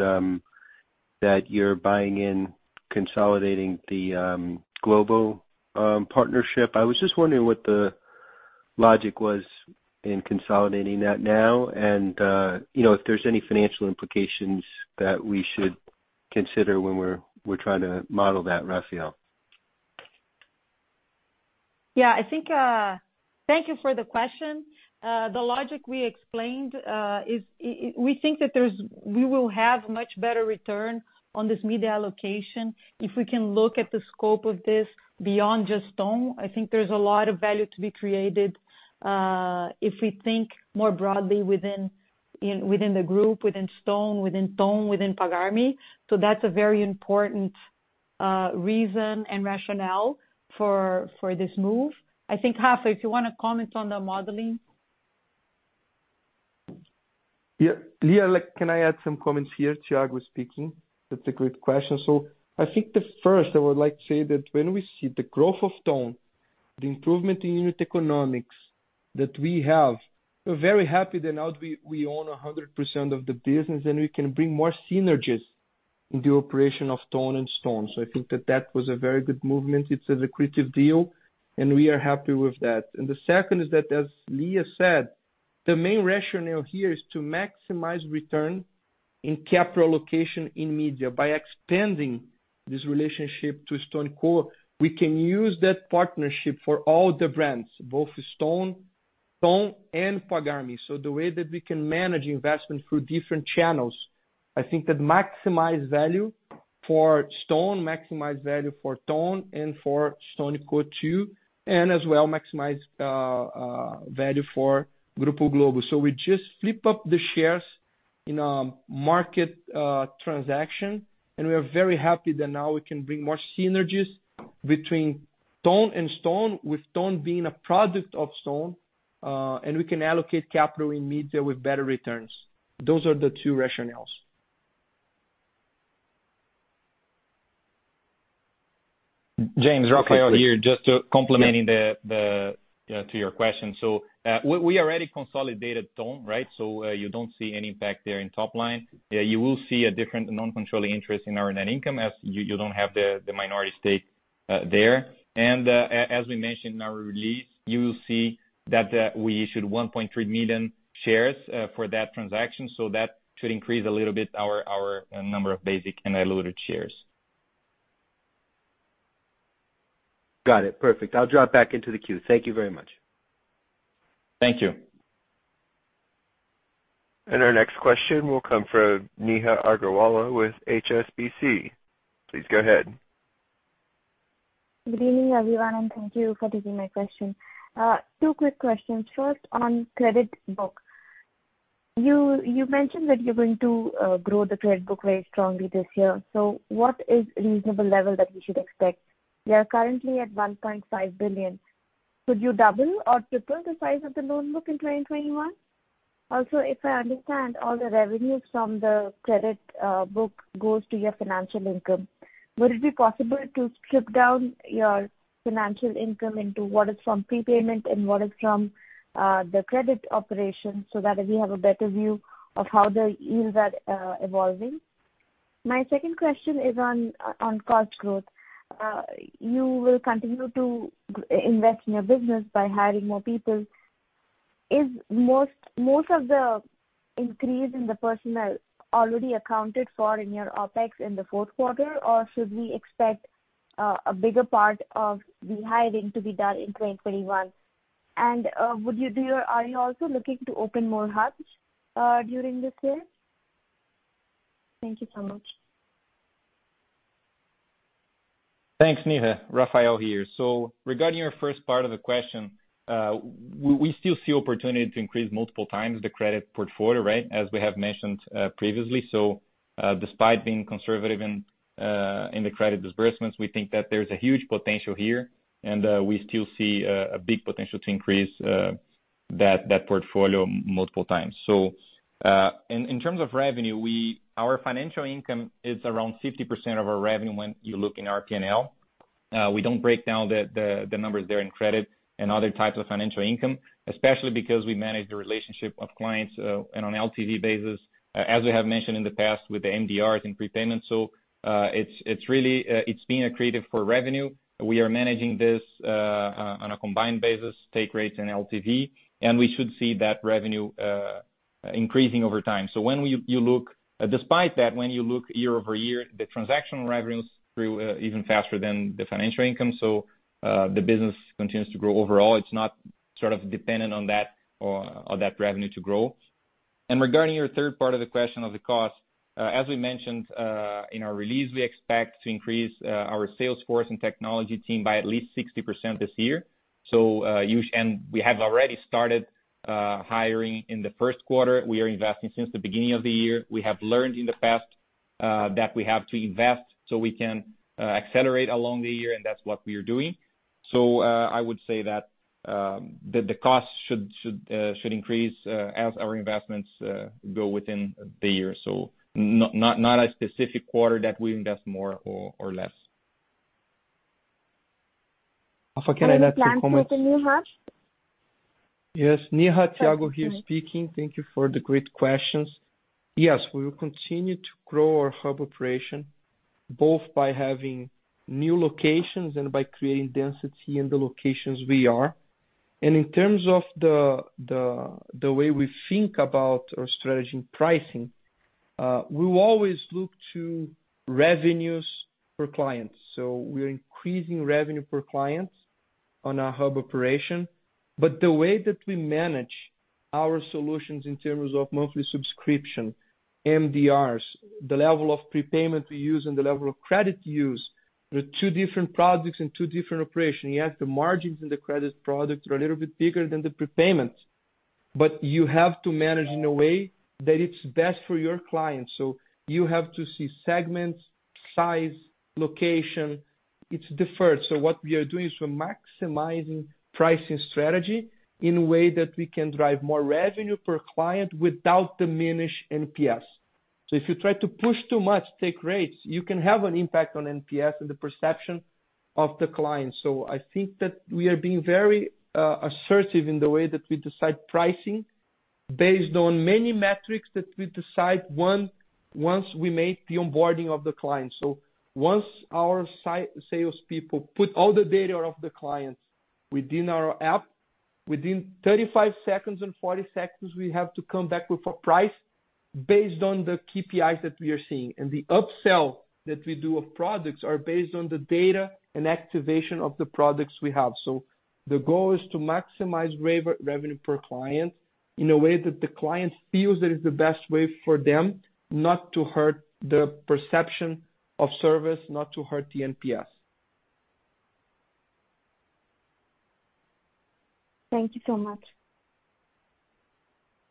that you're buying in consolidating the Globo partnership. I was just wondering what the logic was in consolidating that now and if there's any financial implications that we should consider when we're trying to model that, Rafael? Yeah. Thank you for the question. The logic we explained is we think that we will have much better return on this media allocation if we can look at the scope of this beyond just Ton. I think there's a lot of value to be created if we think more broadly within the group, within Stone, within Ton, within Pagar.me. That's a very important reason and rationale for this move. I think, Rafael, if you want to comment on the modeling. Yeah. Lia, can I add some comments here? Thiago speaking. That's a great question. I think the first, I would like to say that when we see the growth of Ton, the improvement in unit economics that we have, we're very happy that now we own 100% of the business, and we can bring more synergies in the operation of Ton and Stone. I think that that was a very good movement. It's an accretive deal, and we are happy with that. The second is that, as Lia said, the main rationale here is to maximize return in capital allocation in media. By expanding this relationship to StoneCo, we can use that partnership for all the brands, both Stone, Ton and Pagar.me. The way that we can manage investment through different channels, I think that maximize value for Stone, maximize value for Ton and for StoneCo too, and as well maximize value for Grupo Globo. We just flip up the shares in a market transaction, and we are very happy that now we can bring more synergies between Ton and Stone, with Ton being a product of Stone, and we can allocate capital in media with better returns. Those are the two rationales. Jamie, Rafael here, just complementing to your question. We already consolidated Ton, right? You don't see any impact there in top line. You will see a different non-controlling interest in our net income as you don't have the minority stake there. As we mentioned in our release, you will see that we issued 1.3 million shares for that transaction, so that should increase a little bit our number of basic and diluted shares. Got it, perfect. I'll drop back into the queue. Thank you very much. Thank you. Our next question will come from Neha Agarwala with HSBC. Please go ahead. Good evening, everyone, and thank you for taking my question. Two quick questions. First, on credit book. You mentioned that you're going to grow the credit book very strongly this year. What is reasonable level that we should expect? We are currently at 1.5 billion. Could you double or triple the size of the loan book in 2021? Also, if I understand, all the revenues from the credit book goes to your financial income. Would it be possible to strip down your financial income into what is from prepayment and what is from the credit operation, so that we have a better view of how the yields are evolving? My second question is on cost growth. You will continue to invest in your business by hiring more people. Is most of the increase in the personnel already accounted for in your OpEx in the fourth quarter, or should we expect a bigger part of the hiring to be done in 2021? Are you also looking to open more hubs during this year? Thank you so much. Thanks, Neha. Rafael here. Regarding your first part of the question, we still see opportunity to increase multiple times the credit portfolio, right, as we have mentioned previously. Despite being conservative in the credit disbursements, we think that there's a huge potential here, and we still see a big potential to increase that portfolio multiple times. In terms of revenue, our financial income is around 50% of our revenue when you look in our P&L. We don't break down the numbers there in credit and other types of financial income, especially because we manage the relationship of clients and on LTV basis, as we have mentioned in the past with the MDRs and prepayment. It's been accretive for revenue. We are managing this on a combined basis, take rates and LTV, and we should see that revenue increasing over time. Despite that, when you look year-over-year, the transactional revenues grew even faster than the financial income. The business continues to grow overall. It's not sort of dependent on that revenue to grow. Regarding your third part of the question of the cost, as we mentioned in our release, we expect to increase our sales force and technology team by at least 60% this year. We have already started hiring in the first quarter. We are investing since the beginning of the year. We have learned in the past that we have to invest so we can accelerate along the year, and that's what we are doing. I would say that the cost should increase as our investments go within the year. Not a specific quarter that we invest more or less. I forget I left a comment. Any plans with the new hub? Yes, Neha. Thiago here speaking. Thank you for the great questions. We will continue to grow our hub operation, both by having new locations and by creating density in the locations we are. In terms of the way we think about our strategy in pricing, we will always look to revenues per client. We are increasing revenue per client on our hub operation. The way that we manage our solutions in terms of monthly subscription, MDRs, the level of prepayment we use, and the level of credit used, they're two different products and two different operations. The margins in the credit product are a little bit bigger than the prepayment, but you have to manage in a way that it's best for your clients. You have to see segments, size, location. It's deferred. What we are doing is we're maximizing pricing strategy in a way that we can drive more revenue per client without diminish NPS. If you try to push too much, take rates, you can have an impact on NPS and the perception of the client. I think that we are being very assertive in the way that we decide pricing based on many metrics that we decide once we make the onboarding of the client. Once our salespeople put all the data of the clients within our app, within 35 seconds and 40 seconds, we have to come back with a price based on the KPIs that we are seeing. The upsell that we do of products are based on the data and activation of the products we have. The goal is to maximize revenue per client in a way that the client feels that it's the best way for them not to hurt the perception of service, not to hurt the NPS. Thank you so much.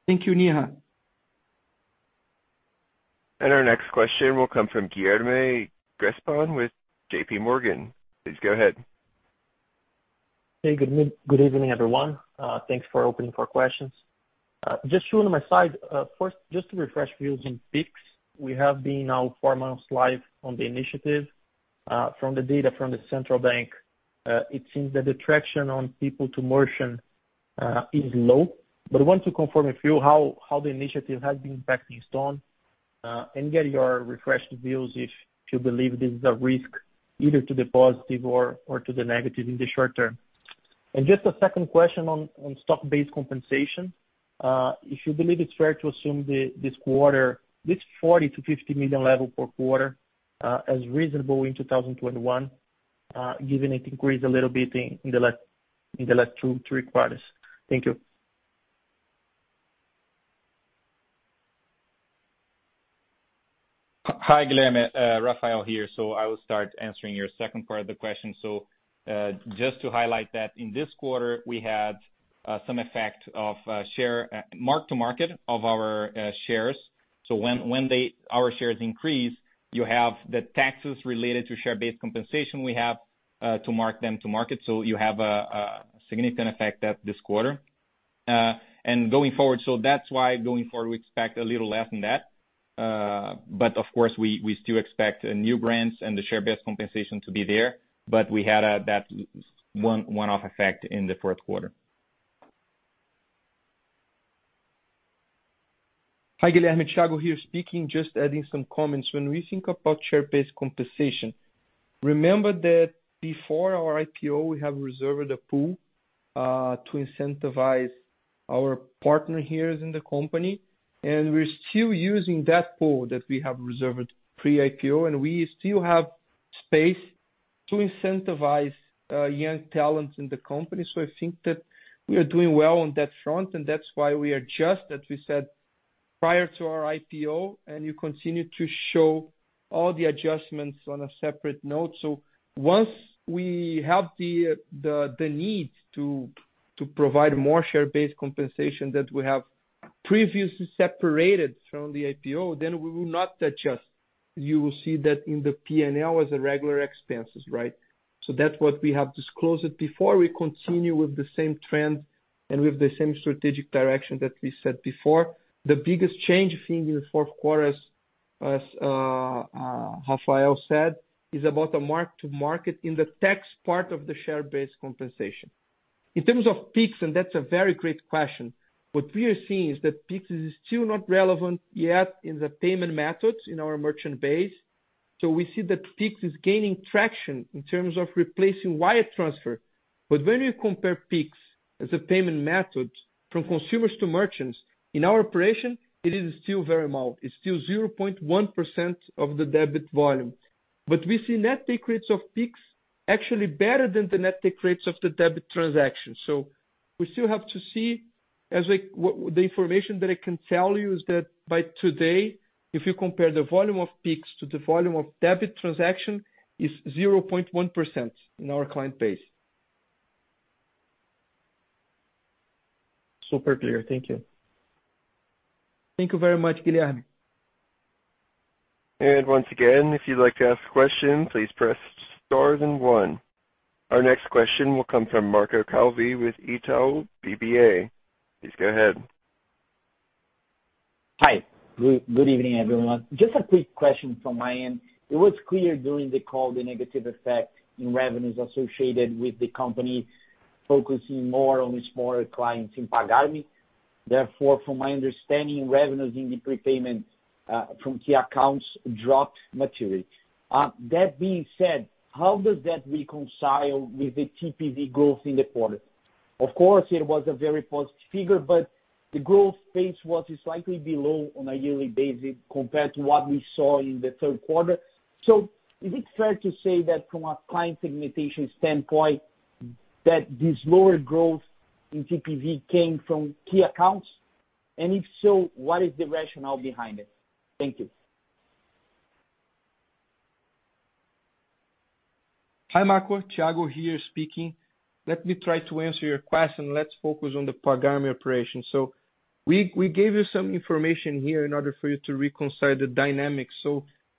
Thank you, Neha. Our next question will come from Guilherme Grespan with J.P. Morgan. Please go ahead. Hey, good evening, everyone. Thanks for opening for questions. Just two on my side. Just to refresh views in Pix, we have been now four months live on the initiative. From the data from the central bank, it seems that the traction on people to merchant is low. I want to confirm with you how the initiative has been impacting Stone, and get your refreshed views if you believe this is a risk either to the positive or to the negative in the short term. Just a second question on stock-based compensation. If you believe it's fair to assume this quarter, this 40 million-50 million level per quarter as reasonable in 2021 given it increased a little bit in the last two to three quarters. Thank you. Hi, Guilherme. Rafael here. I will start answering your second part of the question. Just to highlight that in this quarter, we had some effect of mark-to-market of our shares. When our shares increase, you have the taxes related to share-based compensation we have to mark them to market. You have a significant effect at this quarter. Going forward, so that's why going forward, we expect a little less than that. Of course, we still expect new grants and the share-based compensation to be there. We had that one-off effect in the fourth quarter. Hi, Guilherme. Thiago here speaking, just adding some comments. When we think about share-based compensation, remember that before our IPO, we have reserved a pool to incentivize our partner here in the company, and we're still using that pool that we have reserved pre-IPO, and we still have space to incentivize young talent in the company. I think that we are doing well on that front, and that's why we adjust, as we said prior to our IPO. You continue to show all the adjustments on a separate note. Once we have the need to provide more share-based compensation that we have previously separated from the IPO, we will not adjust. You will see that in the P&L as a regular expense, right? That's what we have disclosed before. We continue with the same trend and with the same strategic direction that we said before. The biggest change seen in the fourth quarter, as Rafael said, is about the mark to market in the tax part of the share-based compensation. In terms of Pix, that's a very great question, what we are seeing is that Pix is still not relevant yet in the payment methods in our merchant base. We see that Pix is gaining traction in terms of replacing wire transfer. When you compare Pix as a payment method from consumers to merchants, in our operation, it is still very mild. It's still 0.1% of the debit volume. We see net take rates of Pix actually better than the net take rates of the debit transaction. We still have to see as the information that I can tell you is that by today, if you compare the volume of Pix to the volume of debit transaction, it's 0.1% in our client base. Super clear. Thank you. Thank you very much, Guilherme. Once again, if you'd like to ask a question, please press star then one. Our next question will come from Marco Calvi with Itaú BBA. Please go ahead. Hi. Good evening, everyone. Just a quick question from my end. It was clear during the call the negative effect in revenues associated with the company focusing more on smaller clients in Pagar.me. Therefore, from my understanding, revenues in the prepayment from key accounts dropped materially. That being said, how does that reconcile with the TPV growth in the quarter? Of course, it was a very positive figure, but the growth pace was slightly below on a yearly basis compared to what we saw in the third quarter. Is it fair to say that from a client segmentation standpoint, that this lower growth in TPV came from key accounts? If so, what is the rationale behind it? Thank you. Hi, Marco. Thiago here speaking. Let me try to answer your question. Let's focus on the Pagar.me operation. We gave you some information here in order for you to reconcile the dynamics.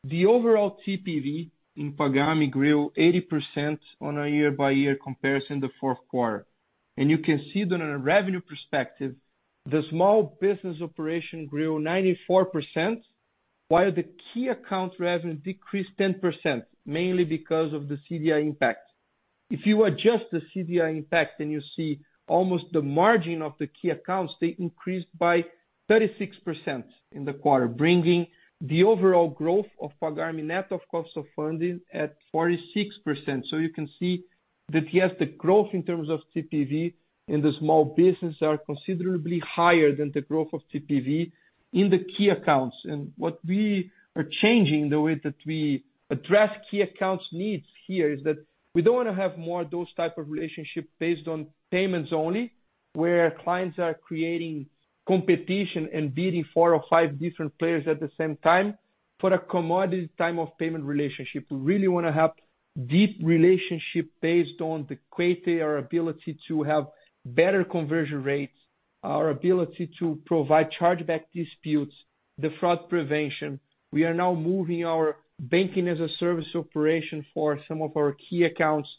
The overall TPV in Pagar.me grew 80% on a year-over-year comparison the fourth quarter. You can see that on a revenue perspective, the small business operation grew 94%, while the key accounts revenue decreased 10%, mainly because of the CDI impact. If you adjust the CDI impact, then you see almost the margin of the key accounts, they increased by 36% in the quarter, bringing the overall growth of Pagar.me net of cost of funding at 46%. You can see that yes, the growth in terms of TPV in the small business are considerably higher than the growth of TPV in the key accounts. What we are changing, the way that we address key accounts needs here is that we don't want to have more of those type of relationship based on payments only, where clients are creating competition and beating four or five different players at the same time for a commodity type of payment relationship. We really want to have deep relationship based on the quality or ability to have better conversion rates, our ability to provide chargeback disputes, the fraud prevention. We are now moving our banking as a service operation for some of our key accounts.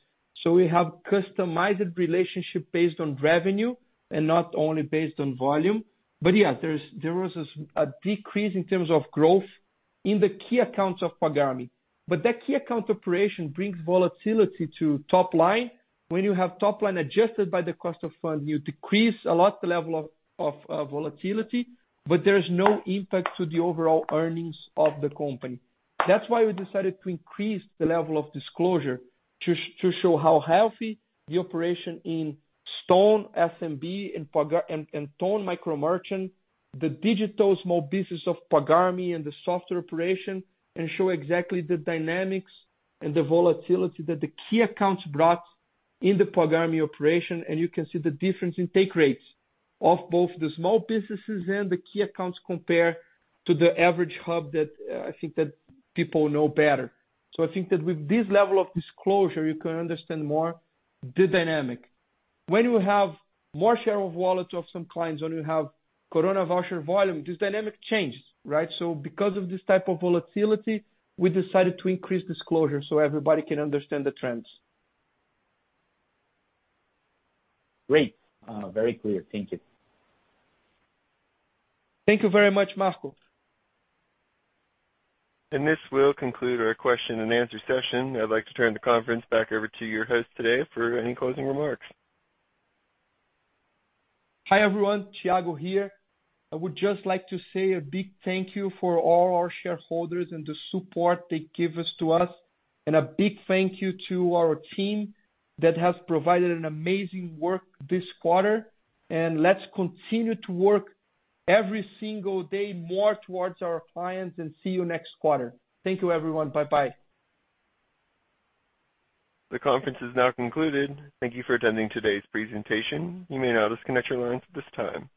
We have customized relationship based on revenue and not only based on volume. Yeah, there was a decrease in terms of growth in the key accounts of Pagar.me. That key account operation brings volatility to top line. When you have top line adjusted by the cost of fund, you decrease a lot the level of volatility, but there is no impact to the overall earnings of the company. That's why we decided to increase the level of disclosure to show how healthy the operation in Stone SMB and Stone micro merchant, the digital small business of Pagar.me, and the software operation, and show exactly the dynamics and the volatility that the key accounts brought in the Pagar.me operation. You can see the difference in take rates of both the small businesses and the key accounts compare to the average hub that I think that people know better. I think that with this level of disclosure, you can understand more the dynamic. When you have more share of wallet of some clients, when you have Coronavoucher volume, this dynamic changes, right? Because of this type of volatility, we decided to increase disclosure so everybody can understand the trends. Great. Very clear. Thank you. Thank you very much, Marco. This will conclude our question and answer session. I'd like to turn the conference back over to your host today for any closing remarks. Hi, everyone. Thiago here. I would just like to say a big thank you for all our shareholders and the support they give to us, a big thank you to our team that has provided an amazing work this quarter. Let's continue to work every single day more towards our clients and see you next quarter. Thank you, everyone. Bye-bye. The conference is now concluded. Thank you for attending today's presentation. You may now disconnect your lines at this time.